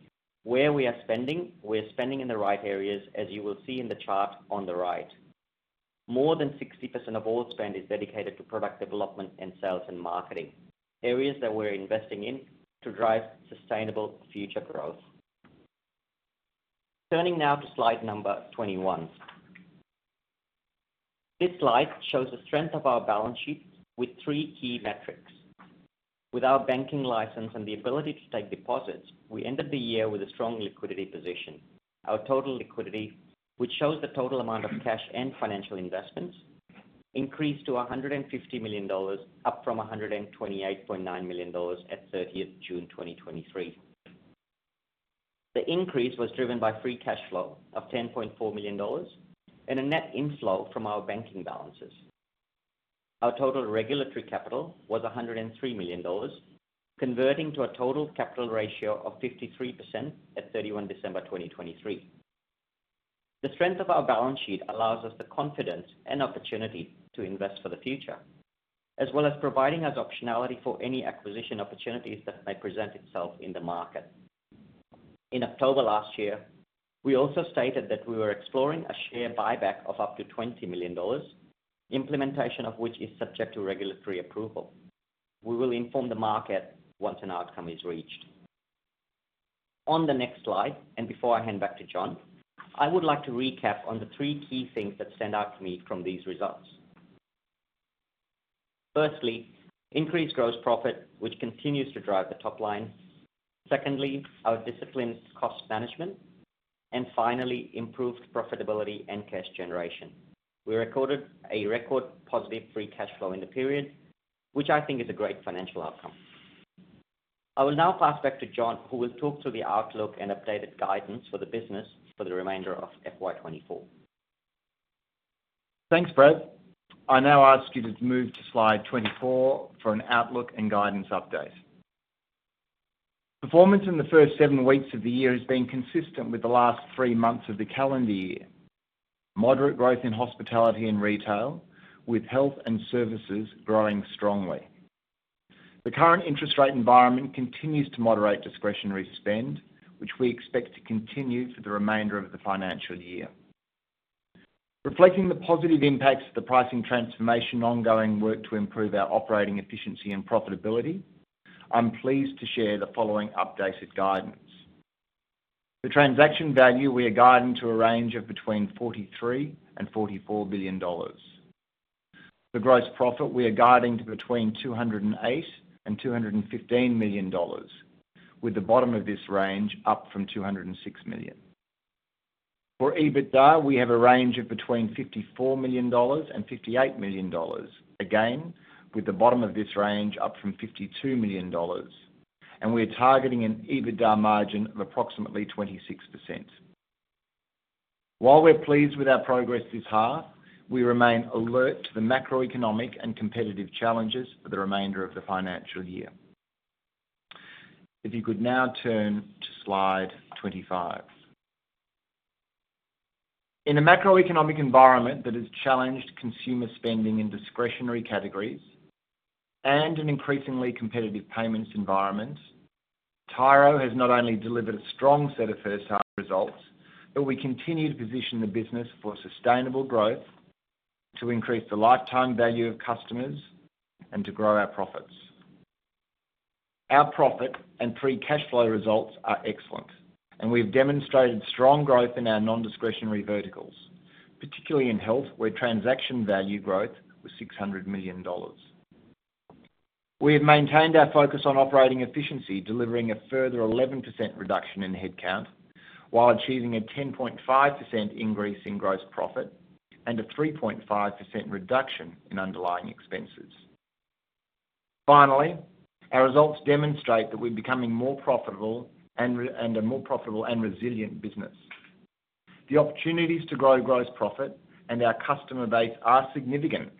S3: where we are spending, we're spending in the right areas, as you will see in the chart on the right. More than 60% of all spend is dedicated to product development and sales and marketing, areas that we're investing in to drive sustainable future growth. Turning now to slide number 21. This slide shows the strength of our balance sheet with three key metrics. With our banking license and the ability to take deposits, we ended the year with a strong liquidity position. Our total liquidity, which shows the total amount of cash and financial investments, increased to 150 million dollars, up from 128.9 million dollars at 30th June 2023. The increase was driven by free cash flow of 10.4 million dollars, and a net inflow from our banking balances. Our total regulatory capital was 103 million dollars, converting to a total capital ratio of 53% at 31 December 2023. The strength of our balance sheet allows us the confidence and opportunity to invest for the future, as well as providing us optionality for any acquisition opportunities that may present itself in the market. In October last year, we also stated that we were exploring a share buyback of up to 20 million dollars, implementation of which is subject to regulatory approval. We will inform the market once an outcome is reached. On the next slide, and before I hand back to Jon, I would like to recap on the three key things that stand out to me from these results. Firstly, increased gross profit, which continues to drive the top line. Secondly, our disciplined cost management. And finally, improved profitability and cash generation. We recorded a record positive free cash flow in the period, which I think is a great financial outcome. I will now pass back to Jon, who will talk through the outlook and updated guidance for the business for the remainder of FY 2024.
S2: Thanks, Prav. I now ask you to move to slide 24 for an outlook and guidance update. Performance in the first 7 weeks of the year has been consistent with the last 3 months of the calendar year. Moderate growth in hospitality and retail, with health and services growing strongly. The current interest rate environment continues to moderate discretionary spend, which we expect to continue for the remainder of the financial year. Reflecting the positive impacts of the pricing transformation and ongoing work to improve our operating efficiency and profitability, I'm pleased to share the following updated guidance. The transaction value, we are guiding to a range of between 43 billion and 44 billion dollars. The gross profit, we are guiding to between 208 million and 215 million dollars, with the bottom of this range up from 206 million. For EBITDA, we have a range of between 54 million dollars and 58 million dollars, again, with the bottom of this range up from 52 million dollars, and we're targeting an EBITDA margin of approximately 26%. While we're pleased with our progress this half, we remain alert to the macroeconomic and competitive challenges for the remainder of the financial year. If you could now turn to slide 25. In a macroeconomic environment that has challenged consumer spending in discretionary categories and an increasingly competitive payments environment, Tyro has not only delivered a strong set of first half results, but we continue to position the business for sustainable growth, to increase the lifetime value of customers, and to grow our profits.... Our profit and free cash flow results are excellent, and we've demonstrated strong growth in our non-discretionary verticals, particularly in health, where transaction value growth was 600 million dollars. We have maintained our focus on operating efficiency, delivering a further 11% reduction in headcount, while achieving a 10.5% increase in gross profit and a 3.5% reduction in underlying expenses. Finally, our results demonstrate that we're becoming more profitable and a more profitable and resilient business. The opportunities to grow gross profit and our customer base are significant.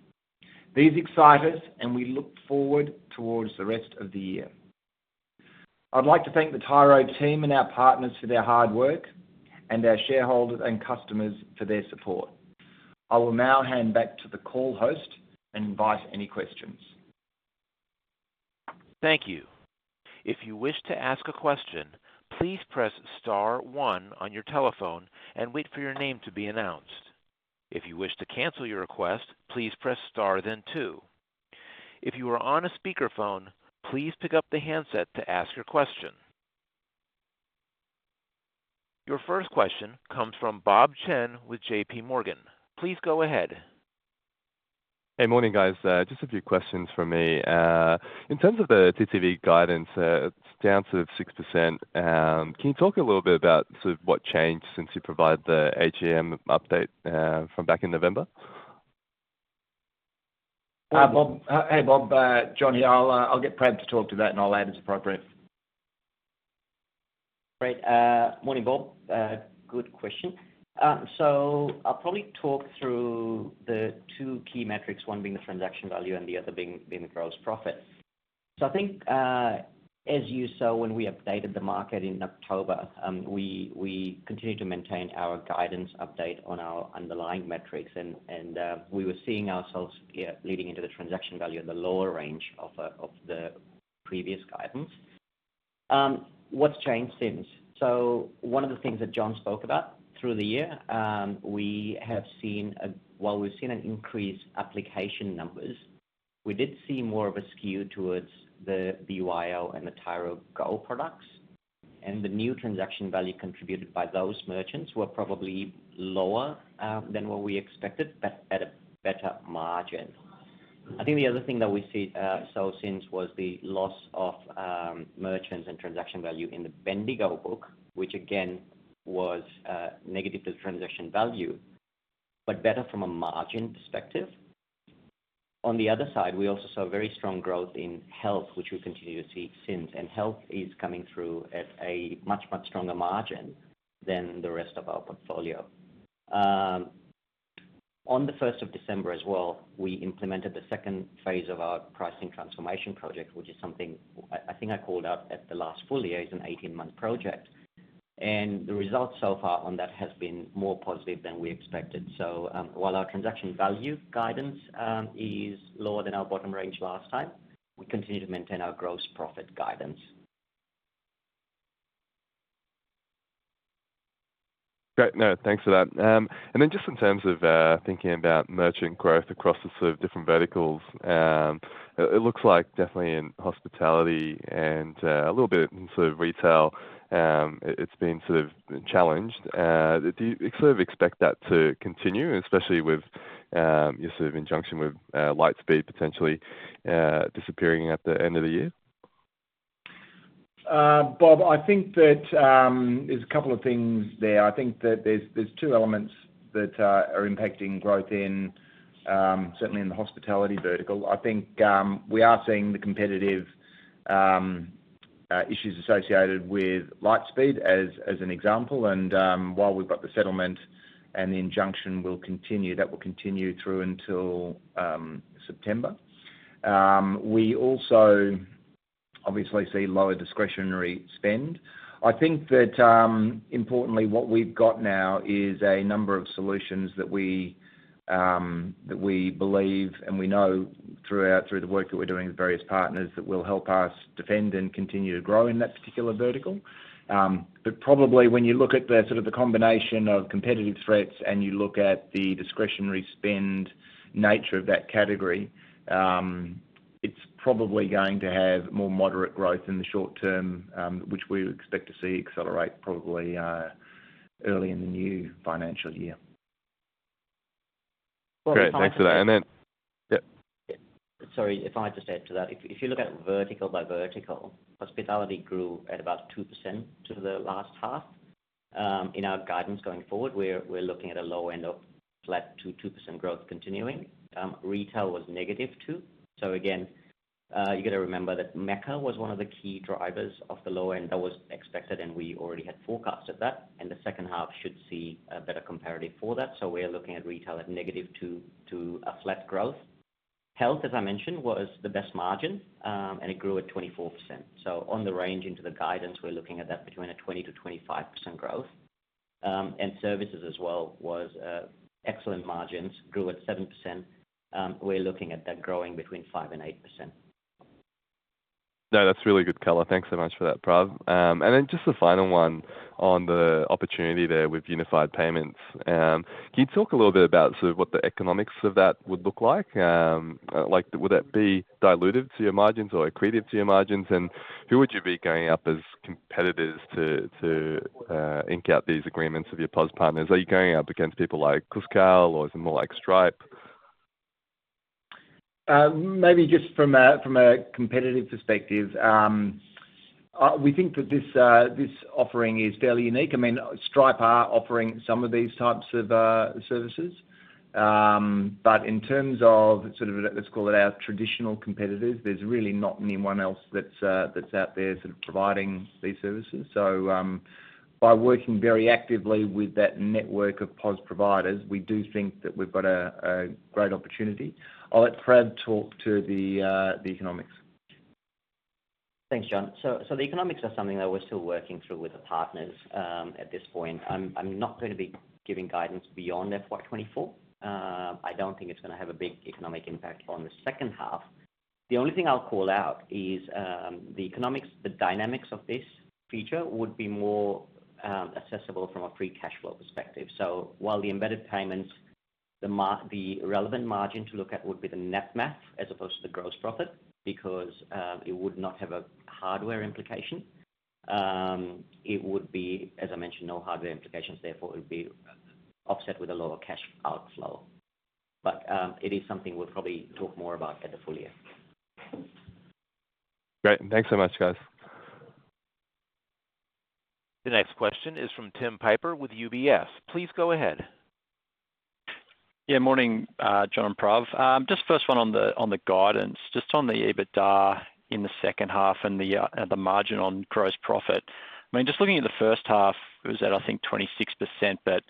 S2: These excite us, and we look forward towards the rest of the year. I'd like to thank the Tyro team and our partners for their hard work, and our shareholders and customers for their support. I will now hand back to the call host and invite any questions.
S1: Thank you. If you wish to ask a question, please press star one on your telephone and wait for your name to be announced. If you wish to cancel your request, please press star, then two. If you are on a speakerphone, please pick up the handset to ask your question. Your first question comes from Bob Chen with JP Morgan. Please go ahead.
S4: Hey, morning, guys. Just a few questions from me. In terms of the TTV guidance, it's down to 6%. Can you talk a little bit about sort of what changed since you provided the AGM update from back in November?
S2: Bob. Hey, Bob, Jon here. I'll get Prav to talk to that, and I'll add as appropriate.
S3: Great. Morning, Bob. Good question. So I'll probably talk through the two key metrics, one being the transaction value and the other being the gross profit. So I think, as you saw when we updated the market in October, we continued to maintain our guidance update on our underlying metrics, and we were seeing ourselves leading into the transaction value in the lower range of the previous guidance. What's changed since? So one of the things that Jon spoke about through the year, we have seen while we've seen an increase application numbers, we did see more of a skew towards the BYO and the Tyro Go products, and the new transaction value contributed by those merchants were probably lower than what we expected, but at a better margin. I think the other thing that we see, so since was the loss of merchants and transaction value in the Bendigo book, which again, was negative to the transaction value, but better from a margin perspective. On the other side, we also saw very strong growth in health, which we continue to see since, and health is coming through at a much, much stronger margin than the rest of our portfolio. On the first of December as well, we implemented the second phase of our pricing transformation project, which is something I think I called out at the last full year. It's an 18-month project, and the results so far on that has been more positive than we expected. So, while our transaction value guidance is lower than our bottom range last time, we continue to maintain our gross profit guidance.
S4: Great. No, thanks for that. And then just in terms of thinking about merchant growth across the sort of different verticals, it looks like definitely in hospitality and a little bit in sort of retail, it's been sort of challenged. Do you sort of expect that to continue, especially with your sort of injunction with Lightspeed potentially disappearing at the end of the year?
S2: Bob, I think that there's a couple of things there. I think that there's two elements that are impacting growth in certainly in the hospitality vertical. I think we are seeing the competitive issues associated with Lightspeed as an example, and while we've got the settlement and the injunction will continue, that will continue through until September. We also obviously see lower discretionary spend. I think that importantly, what we've got now is a number of solutions that we believe and we know through the work that we're doing with various partners, that will help us defend and continue to grow in that particular vertical. But probably when you look at the sort of the combination of competitive threats and you look at the discretionary spend nature of that category, it's probably going to have more moderate growth in the short term, which we would expect to see accelerate probably early in the new financial year.
S3: Well, if I-
S4: Great, thanks for that. And then, yep.
S3: Sorry, if I just add to that. If you look at vertical by vertical, hospitality grew at about 2% to the last half. In our guidance going forward, we're looking at a low end of flat to 2% growth continuing. Retail was negative 2. So again, you got to remember that Mecca was one of the key drivers of the low end. That was expected, and we already had forecasted that, and the second half should see a better comparative for that. So we're looking at retail at negative 2% to flat growth. Health, as I mentioned, was the best margin, and it grew at 24%. So on the range into the guidance, we're looking at that between 20%-25% growth. And services as well was excellent margins, grew at 7%. We're looking at that growing between 5% and 8%. ...
S4: No, that's really good color. Thanks so much for that, Prav. And then just the final one on the opportunity there with unified payments. Can you talk a little bit about sort of what the economics of that would look like? Like, would that be dilutive to your margins or accretive to your margins? And who would you be going up against competitors to ink out these agreements with your POS partners? Are you going up against people like Cuscal or is it more like Stripe?
S2: Maybe just from a competitive perspective, we think that this offering is fairly unique. I mean, Stripe are offering some of these types of services. But in terms of sort of, let's call it our traditional competitors, there's really not anyone else that's out there sort of providing these services. So, by working very actively with that network of POS providers, we do think that we've got a great opportunity. I'll let Prav talk to the economics.
S3: Thanks, Jon. So the economics are something that we're still working through with the partners at this point. I'm not going to be giving guidance beyond FY 2024. I don't think it's gonna have a big economic impact on the second half. The only thing I'll call out is the economics, the dynamics of this feature would be more accessible from a free cash flow perspective. So while the embedded payments, the relevant margin to look at would be the net math as opposed to the gross profit, because it would not have a hardware implication. It would be, as I mentioned, no hardware implications, therefore, it would be offset with a lower cash outflow. But it is something we'll probably talk more about at the full year.
S4: Great. Thanks so much, guys.
S1: The next question is from Tim Piper with UBS. Please go ahead.
S5: Yeah, morning, Jon and Prav. Just first one on the, on the guidance, just on the EBITDA in the second half and the, and the margin on gross profit. I mean, just looking at the first half, it was at, I think, 26%, but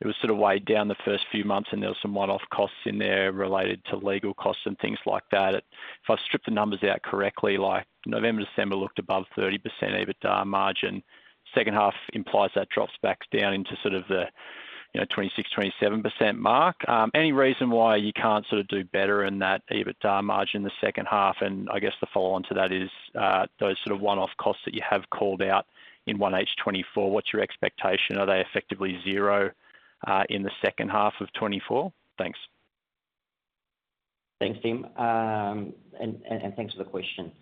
S5: it was sort of weighed down the first few months, and there was some one-off costs in there related to legal costs and things like that. If I strip the numbers out correctly, like November, December looked above 30% EBITDA margin. Second half implies that drops back down into sort of the, you know, 26-27% mark. Any reason why you can't sort of do better in that EBITDA margin in the second half? I guess the follow-on to that is, those sort of one-off costs that you have called out in 1H 2024, what's your expectation? Are they effectively zero in the second half of 2024? Thanks.
S3: Thanks, Tim. And thanks for the question.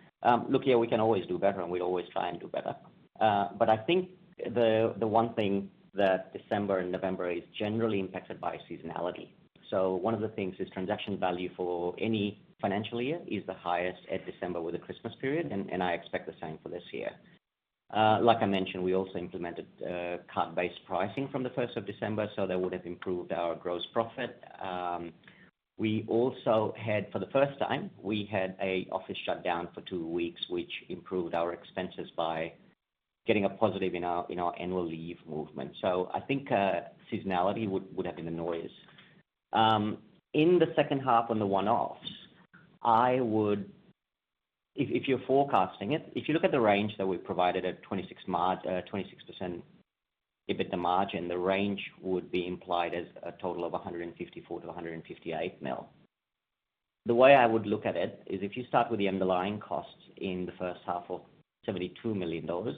S3: Look, yeah, we can always do better, and we always try and do better. But I think the one thing that December and November is generally impacted by seasonality. So one of the things is transaction value for any financial year is the highest at December with the Christmas period, and I expect the same for this year. Like I mentioned, we also implemented card-based pricing from the first of December, so that would have improved our gross profit. We also had, for the first time, we had a office shutdown for two weeks, which improved our expenses by getting a positive in our annual leave movement. So I think seasonality would have been the noise. In the second half on the one-offs, I would... If you're forecasting it, if you look at the range that we've provided at 26% EBITDA margin, the range would be implied as a total of 154 million-158 million. The way I would look at it is if you start with the underlying costs in the first half of 72 million dollars,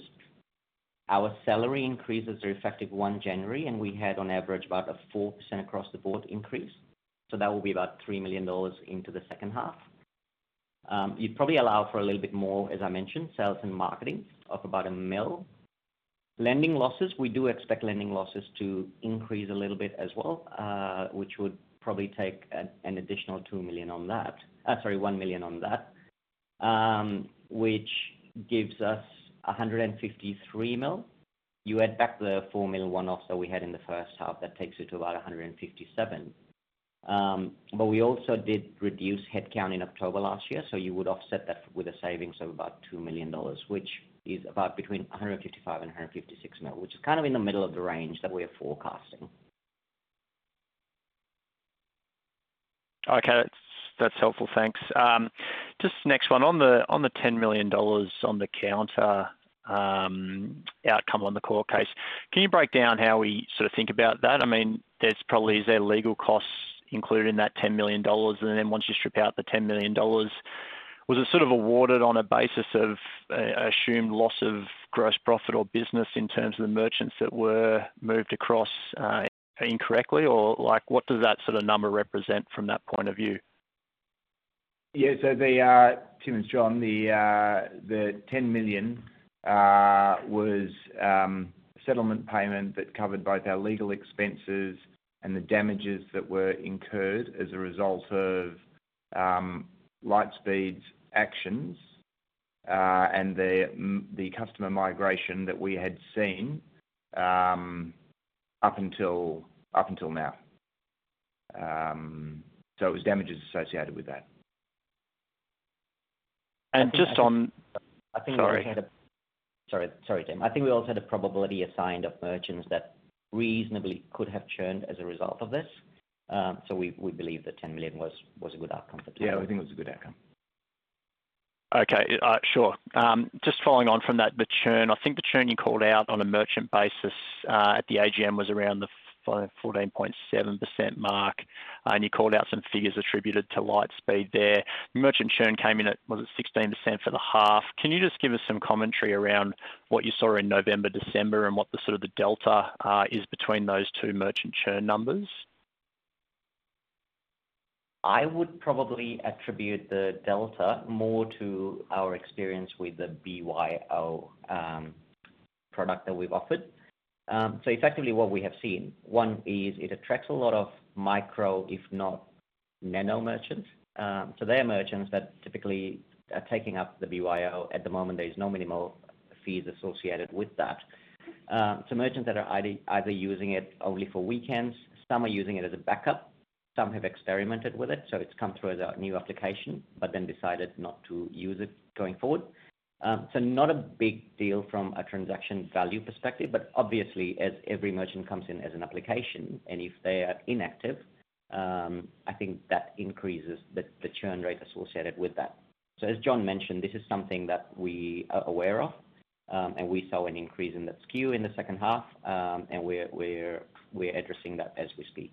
S3: our salary increases are effective 1 January, and we had on average about a 4% across the board increase. So that will be about 3 million dollars into the second half. You'd probably allow for a little bit more, as I mentioned, sales and marketing of about a 1 million. Lending losses, we do expect lending losses to increase a little bit as well, which would probably take an additional 2 million on that. Sorry, 1 million on that. Which gives us 153 million. You add back the 4 million one-off that we had in the first half, that takes you to about 157 million. But we also did reduce headcount in October last year, so you would offset that with a savings of about 2 million dollars, which is about between 155 million and 156 million, which is kind of in the middle of the range that we're forecasting.
S5: Okay. That's, that's helpful. Thanks. Just next one. On the, on the 10 million dollars on the Kounta, outcome on the court case, can you break down how we sort of think about that? I mean, there's probably, is there legal costs included in that 10 million dollars? And then once you strip out the 10 million dollars, was it sort of awarded on a basis of, assumed loss of gross profit or business in terms of the merchants that were moved across, incorrectly? Or like, what does that sort of number represent from that point of view?
S2: Yeah, so Tim and Jon, the 10 million was a settlement payment that covered both our legal expenses and the damages that were incurred as a result of Lightspeed's actions, and the customer migration that we had seen up until now. So it was damages associated with that.
S5: And just on-
S3: I think-
S5: Sorry.
S3: Sorry. Sorry, Tim. I think we also had a probability assigned of merchants that reasonably could have churned as a result of this. So we believe that 10 million was a good outcome for that.
S2: Yeah, I think it was a good outcome....
S5: Okay, sure. Just following on from that, the churn, I think the churn you called out on a merchant basis at the AGM was around the 14.7% mark, and you called out some figures attributed to Lightspeed there. Merchant churn came in at, was it 16% for the half? Can you just give us some commentary around what you saw in November, December, and what the sort of the delta is between those two merchant churn numbers?
S3: I would probably attribute the delta more to our experience with the BYO product that we've offered. So effectively what we have seen, one is it attracts a lot of micro, if not nano merchants. So they are merchants that typically are taking up the BYO. At the moment, there is no minimal fees associated with that. So merchants that are either using it only for weekends, some are using it as a backup, some have experimented with it, so it's come through as a new application, but then decided not to use it going forward. So not a big deal from a transaction value perspective, but obviously, as every merchant comes in as an application, and if they are inactive, I think that increases the churn rate associated with that. So as Jon mentioned, this is something that we are aware of, and we saw an increase in the SKU in the second half. We're addressing that as we speak.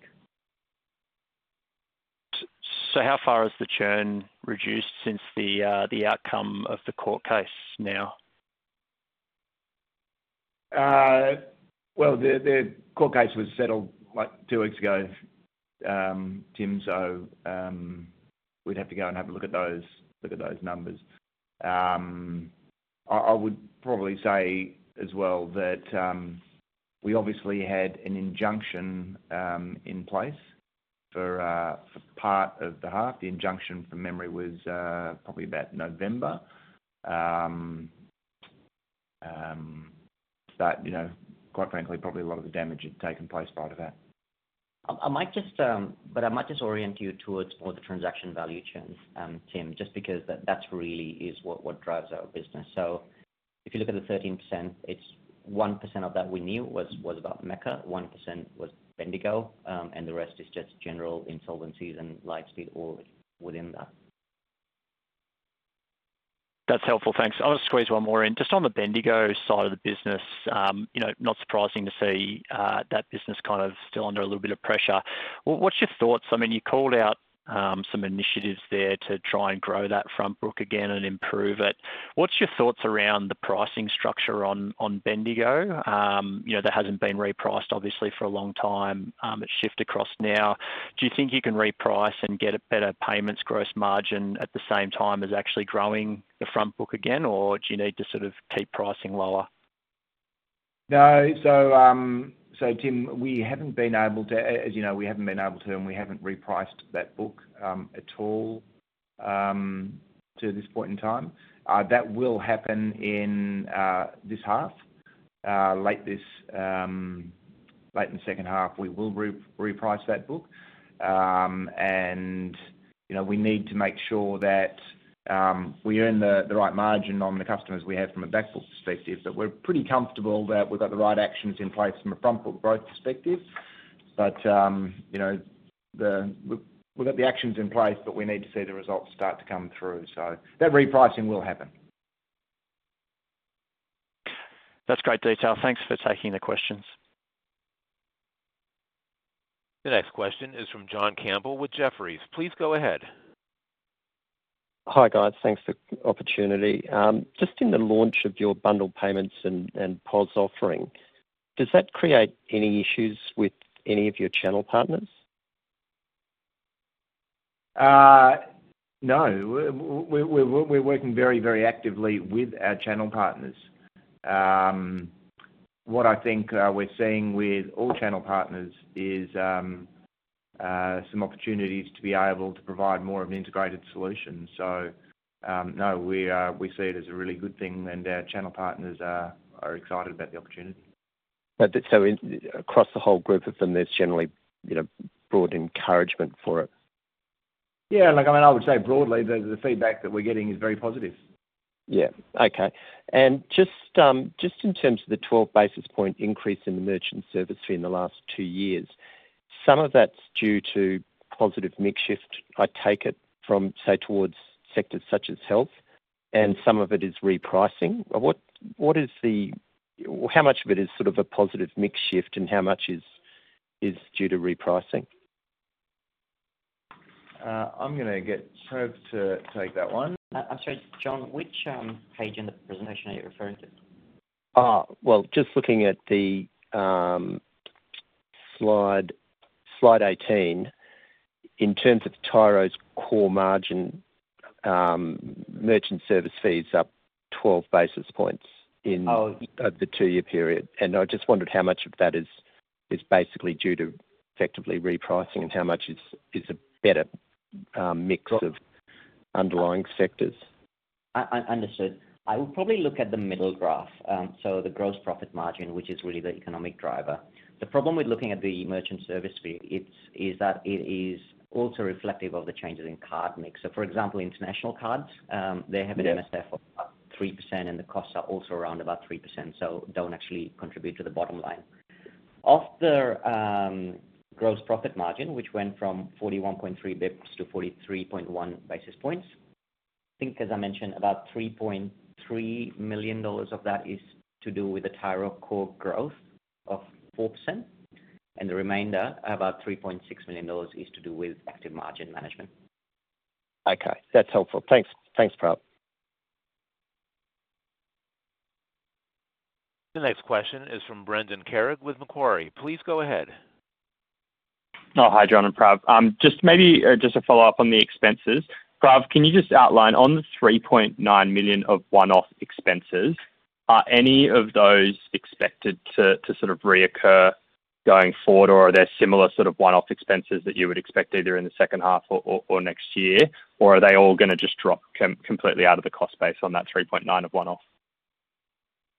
S5: So how far has the churn reduced since the outcome of the court case now?
S2: Well, the court case was settled, like, 2 weeks ago, Tim, so we'd have to go and have a look at those numbers. I would probably say as well, that we obviously had an injunction in place for part of the half. The injunction from memory was probably about November. But you know, quite frankly, probably a lot of the damage had taken place prior to that.
S3: I might just orient you towards more the transaction value churn, Tim, just because that, that really is what, what drives our business. So if you look at the 13%, it's 1% of that we knew was, was about Mecca, 1% was Bendigo, and the rest is just general insolvencies and Lightspeed all within that.
S5: That's helpful. Thanks. I want to squeeze one more in. Just on the Bendigo side of the business, you know, not surprising to see that business kind of still under a little bit of pressure. What's your thoughts? I mean, you called out some initiatives there to try and grow that front book again and improve it. What's your thoughts around the pricing structure on, on Bendigo? You know, that hasn't been repriced, obviously, for a long time. It's shift across now. Do you think you can reprice and get a better payments gross margin at the same time as actually growing the front book again? Or do you need to sort of keep pricing lower?
S2: No. So, so Tim, we haven't been able to, as you know, we haven't been able to, and we haven't repriced that book at all to this point in time. That will happen in this half, late this, late in the second half, we will reprice that book. And, you know, we need to make sure that we earn the right margin on the customers we have from a back book perspective, but we're pretty comfortable that we've got the right actions in place from a front book growth perspective. But, you know, we, we've got the actions in place, but we need to see the results start to come through, so that repricing will happen.
S5: That's great detail. Thanks for taking the questions.
S1: The next question is from Jon Campbell with Jefferies. Please go ahead.
S6: Hi, guys. Thanks for the opportunity. Just in the launch of your bundle payments and POS offering, does that create any issues with any of your channel partners?
S2: No. We're working very, very actively with our channel partners. What I think we're seeing with all channel partners is some opportunities to be able to provide more of an integrated solution. So, no, we see it as a really good thing, and our channel partners are excited about the opportunity.
S6: across the whole group of them, there's generally, you know, broad encouragement for it?
S2: Yeah, like, I mean, I would say broadly, the feedback that we're getting is very positive.
S6: Yeah. Okay. And just, just in terms of the 12 basis point increase in the merchant service fee in the last 2 years, some of that's due to positive mix shift, I take it from, say, towards sectors such as health, and some of it is repricing. What is the... How much of it is sort of a positive mix shift, and how much is due to repricing?
S2: I'm gonna get Travis to take that one.
S3: I'm sorry, Jon, which page in the presentation are you referring to?
S6: Ah, well, just looking at the slide, slide 18, in terms of Tyro's core margin, merchant service fees up 12 basis points in-
S3: Oh.
S6: - over the two-year period. I just wondered how much of that is basically due to effectively repricing, and how much is a better mix of underlying sectors?
S3: Understood. I would probably look at the middle graph. So the gross profit margin, which is really the economic driver. The problem with looking at the merchant service fee, is that it is also reflective of the changes in card mix. So for example, international cards, they have an-
S6: Yes...
S3: MSF of about 3%, and the costs are also around about 3%, so don't actually contribute to the bottom line. Of the gross profit margin, which went from 41.3 basis points to 43.1 basis points. I think, as I mentioned, about 3.3 million dollars of that is to do with the Tyro core growth of 4%, and the remainder, about 3.6 million dollars, is to do with active margin management.
S6: Okay, that's helpful. Thanks. Thanks, Prav.
S1: The next question is from Brendan Carrig with Macquarie. Please go ahead.
S7: Oh, hi, Jon and Prav. Just maybe, just a follow-up on the expenses. Prav, can you just outline on the 3.9 million of one-off expenses, are any of those expected to sort of reoccur going forward? Or are there similar sort of one-off expenses that you would expect either in the second half or next year? Or are they all gonna just drop completely out of the cost base on that 3.9 million of one-off?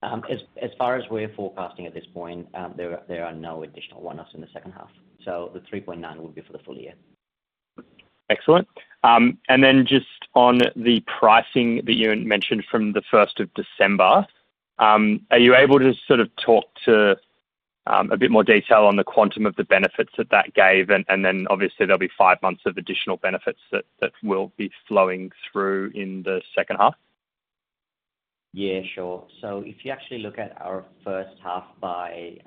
S3: As far as we're forecasting at this point, there are no additional one-offs in the second half. So the 3.9 will be for the full year.
S7: Excellent. And then just on the pricing that you mentioned from the first of December, are you able to sort of talk to a bit more detail on the quantum of the benefits that that gave? And then obviously there'll be five months of additional benefits that will be flowing through in the second half.
S3: Yeah, sure. So if you actually look at our first half by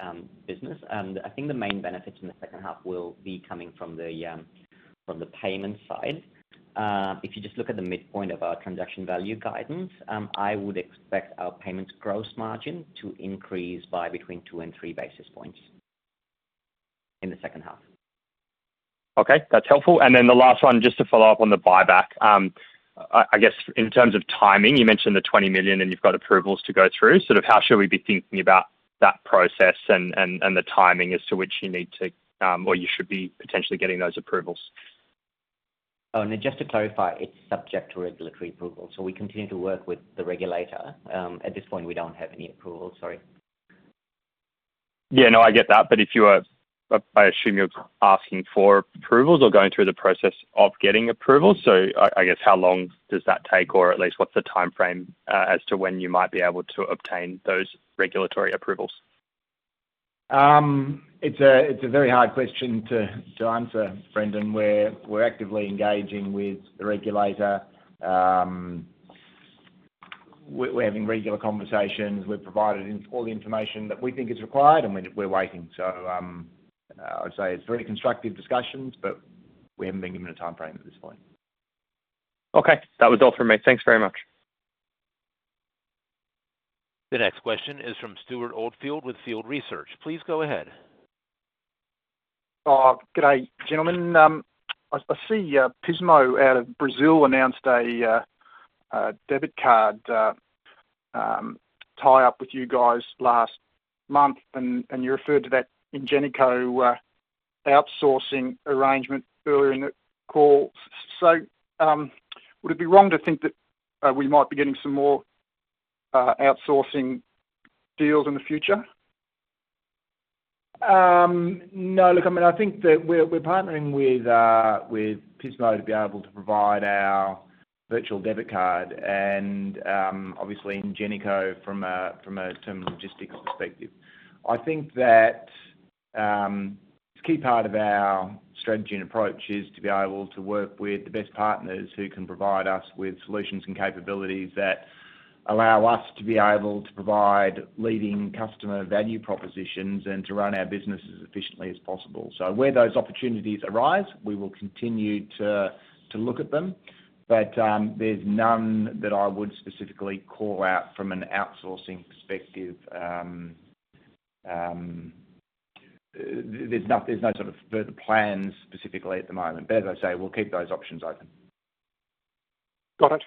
S3: business, and I think the main benefits in the second half will be coming from the payment side. If you just look at the midpoint of our transaction value guidance, I would expect our payments gross margin to increase by between 2 and 3 basis points in the second half.
S7: Okay, that's helpful. And then the last one, just to follow up on the buyback. I guess in terms of timing, you mentioned the 20 million, and you've got approvals to go through. Sort of, how should we be thinking about that process and the timing as to which you need to, or you should be potentially getting those approvals?
S3: Oh, and just to clarify, it's subject to regulatory approval, so we continue to work with the regulator. At this point, we don't have any approvals. Sorry.
S7: Yeah, no, I get that. But if you are- I, I assume you're asking for approvals or going through the process of getting approvals. So I, I guess, how long does that take? Or at least what's the timeframe as to when you might be able to obtain those regulatory approvals?
S2: It's a very hard question to answer, Brendan. We're actively engaging with the regulator. We're having regular conversations. We've provided all the information that we think is required, and we're waiting. I'd say it's very constructive discussions, but we haven't been given a timeframe at this point.
S7: Okay. That was all for me. Thanks very much.
S1: The next question is from Stuart Oldfield with Field Research. Please go ahead.
S8: Good day, gentlemen. I see Pismo out of Brazil announced a debit card tie-up with you guys last month, and you referred to that Ingenico outsourcing arrangement earlier in the call. So, would it be wrong to think that we might be getting some more outsourcing deals in the future?
S2: No, look, I mean, I think that we're partnering with Pismo to be able to provide our virtual debit card and obviously Ingenico from a terminal logistics perspective. I think that a key part of our strategy and approach is to be able to work with the best partners who can provide us with solutions and capabilities that allow us to be able to provide leading customer value propositions and to run our business as efficiently as possible. So where those opportunities arise, we will continue to look at them, but there's none that I would specifically call out from an outsourcing perspective. There's no sort of further plans specifically at the moment. But as I say, we'll keep those options open.
S8: Got it.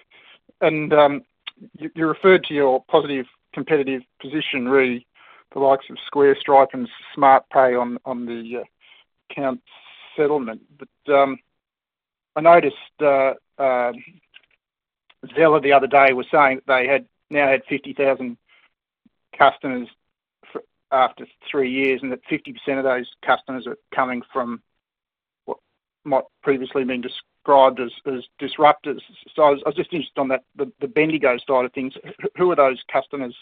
S8: And you referred to your positive competitive position, really, the likes of Square, Stripe, and Smartpay on instant settlement. But I noticed Zeller the other day was saying that they had now had 50,000 customers after three years, and that 50% of those customers are coming from what might previously been described as disruptors. So I was just interested on that, the Bendigo side of things. Who are those customers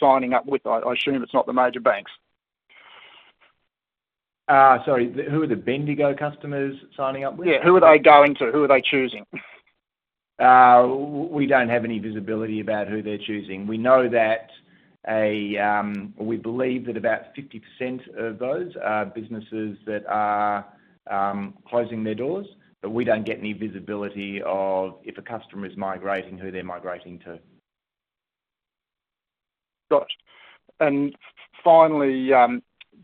S8: signing up with? I assume it's not the major banks.
S2: Sorry, who are the Bendigo customers signing up with?
S8: Yeah. Who are they going to? Who are they choosing?
S2: We don't have any visibility about who they're choosing. We know that or we believe that about 50% of those are businesses that are closing their doors, but we don't get any visibility of if a customer is migrating, who they're migrating to.
S8: Got it. Finally,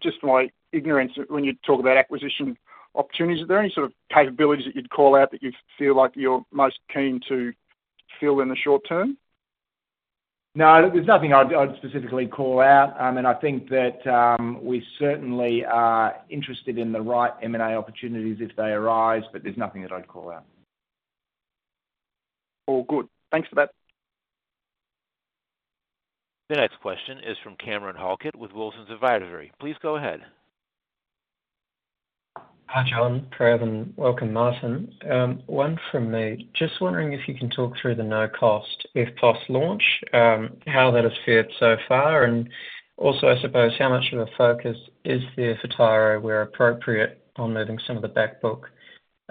S8: just my ignorance, when you talk about acquisition opportunities, are there any sort of capabilities that you'd call out that you feel like you're most keen to fill in the short term?
S2: No, there's nothing I'd specifically call out. And I think that we certainly are interested in the right M&A opportunities if they arise, but there's nothing that I'd call out.
S8: All good. Thanks for that.
S1: The next question is from Cameron Halkett with Wilsons Advisory. Please go ahead. ...
S9: Hi, Jon, Prav, and welcome, Martyn. One from me. Just wondering if you can talk through the No Cost EFTPOS launch, how that has fared so far, and also, I suppose, how much of a focus is there for Tyro, where appropriate, on moving some of the back book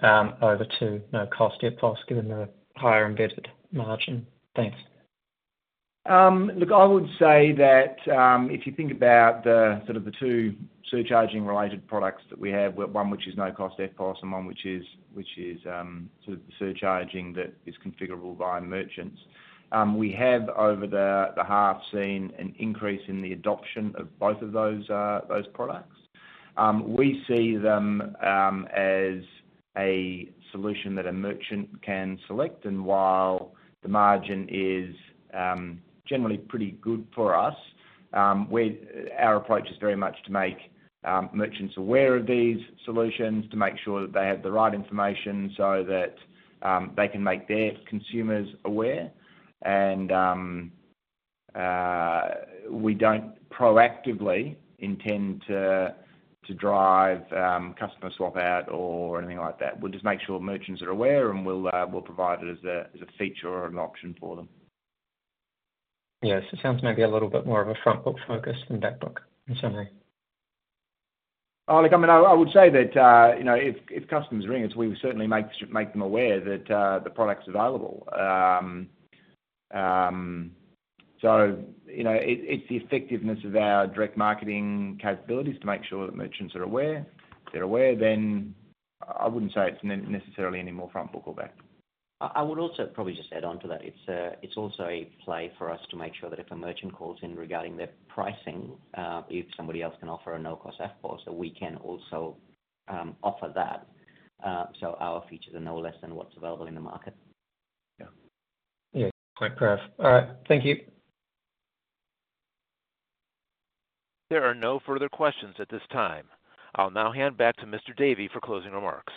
S9: over to No Cost EFTPOS, given the higher embedded margin? Thanks.
S2: Look, I would say that if you think about the sort of the two surcharging-related products that we have, one which is No Cost EFTPOS and one which is sort of surcharging that is configurable by merchants. We have, over the half, seen an increase in the adoption of both of those products. We see them as a solution that a merchant can select, and while the margin is generally pretty good for us, our approach is very much to make merchants aware of these solutions, to make sure that they have the right information so that they can make their consumers aware. We don't proactively intend to drive customer swap out or anything like that. We'll just make sure merchants are aware, and we'll provide it as a feature or an option for them.
S9: Yes. It sounds maybe a little bit more of a front book focus than back book, certainly.
S2: Oh, look, I mean, I would say that, you know, if customers ring us, we would certainly make them aware that the product's available. So, you know, it's the effectiveness of our direct marketing capabilities to make sure that merchants are aware. If they're aware, then I wouldn't say it's necessarily any more front book or back.
S3: I would also probably just add on to that. It's, it's also a play for us to make sure that if a merchant calls in regarding their pricing, if somebody else can offer a No Cost EFTPOS, that we can also offer that. So our features are no less than what's available in the market.
S2: Yeah.
S9: Yeah, great, Prav. All right. Thank you.
S1: There are no further questions at this time. I'll now hand back to Mr. Davey for closing remarks.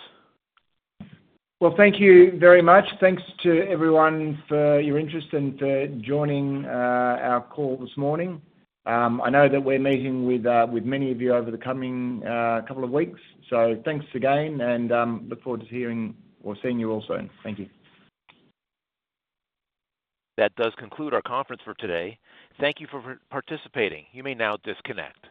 S2: Well, thank you very much. Thanks to everyone for your interest and for joining our call this morning. I know that we're meeting with many of you over the coming couple of weeks. So thanks again, and look forward to hearing or seeing you all soon. Thank you.
S1: That does conclude our conference for today. Thank you for participating. You may now disconnect.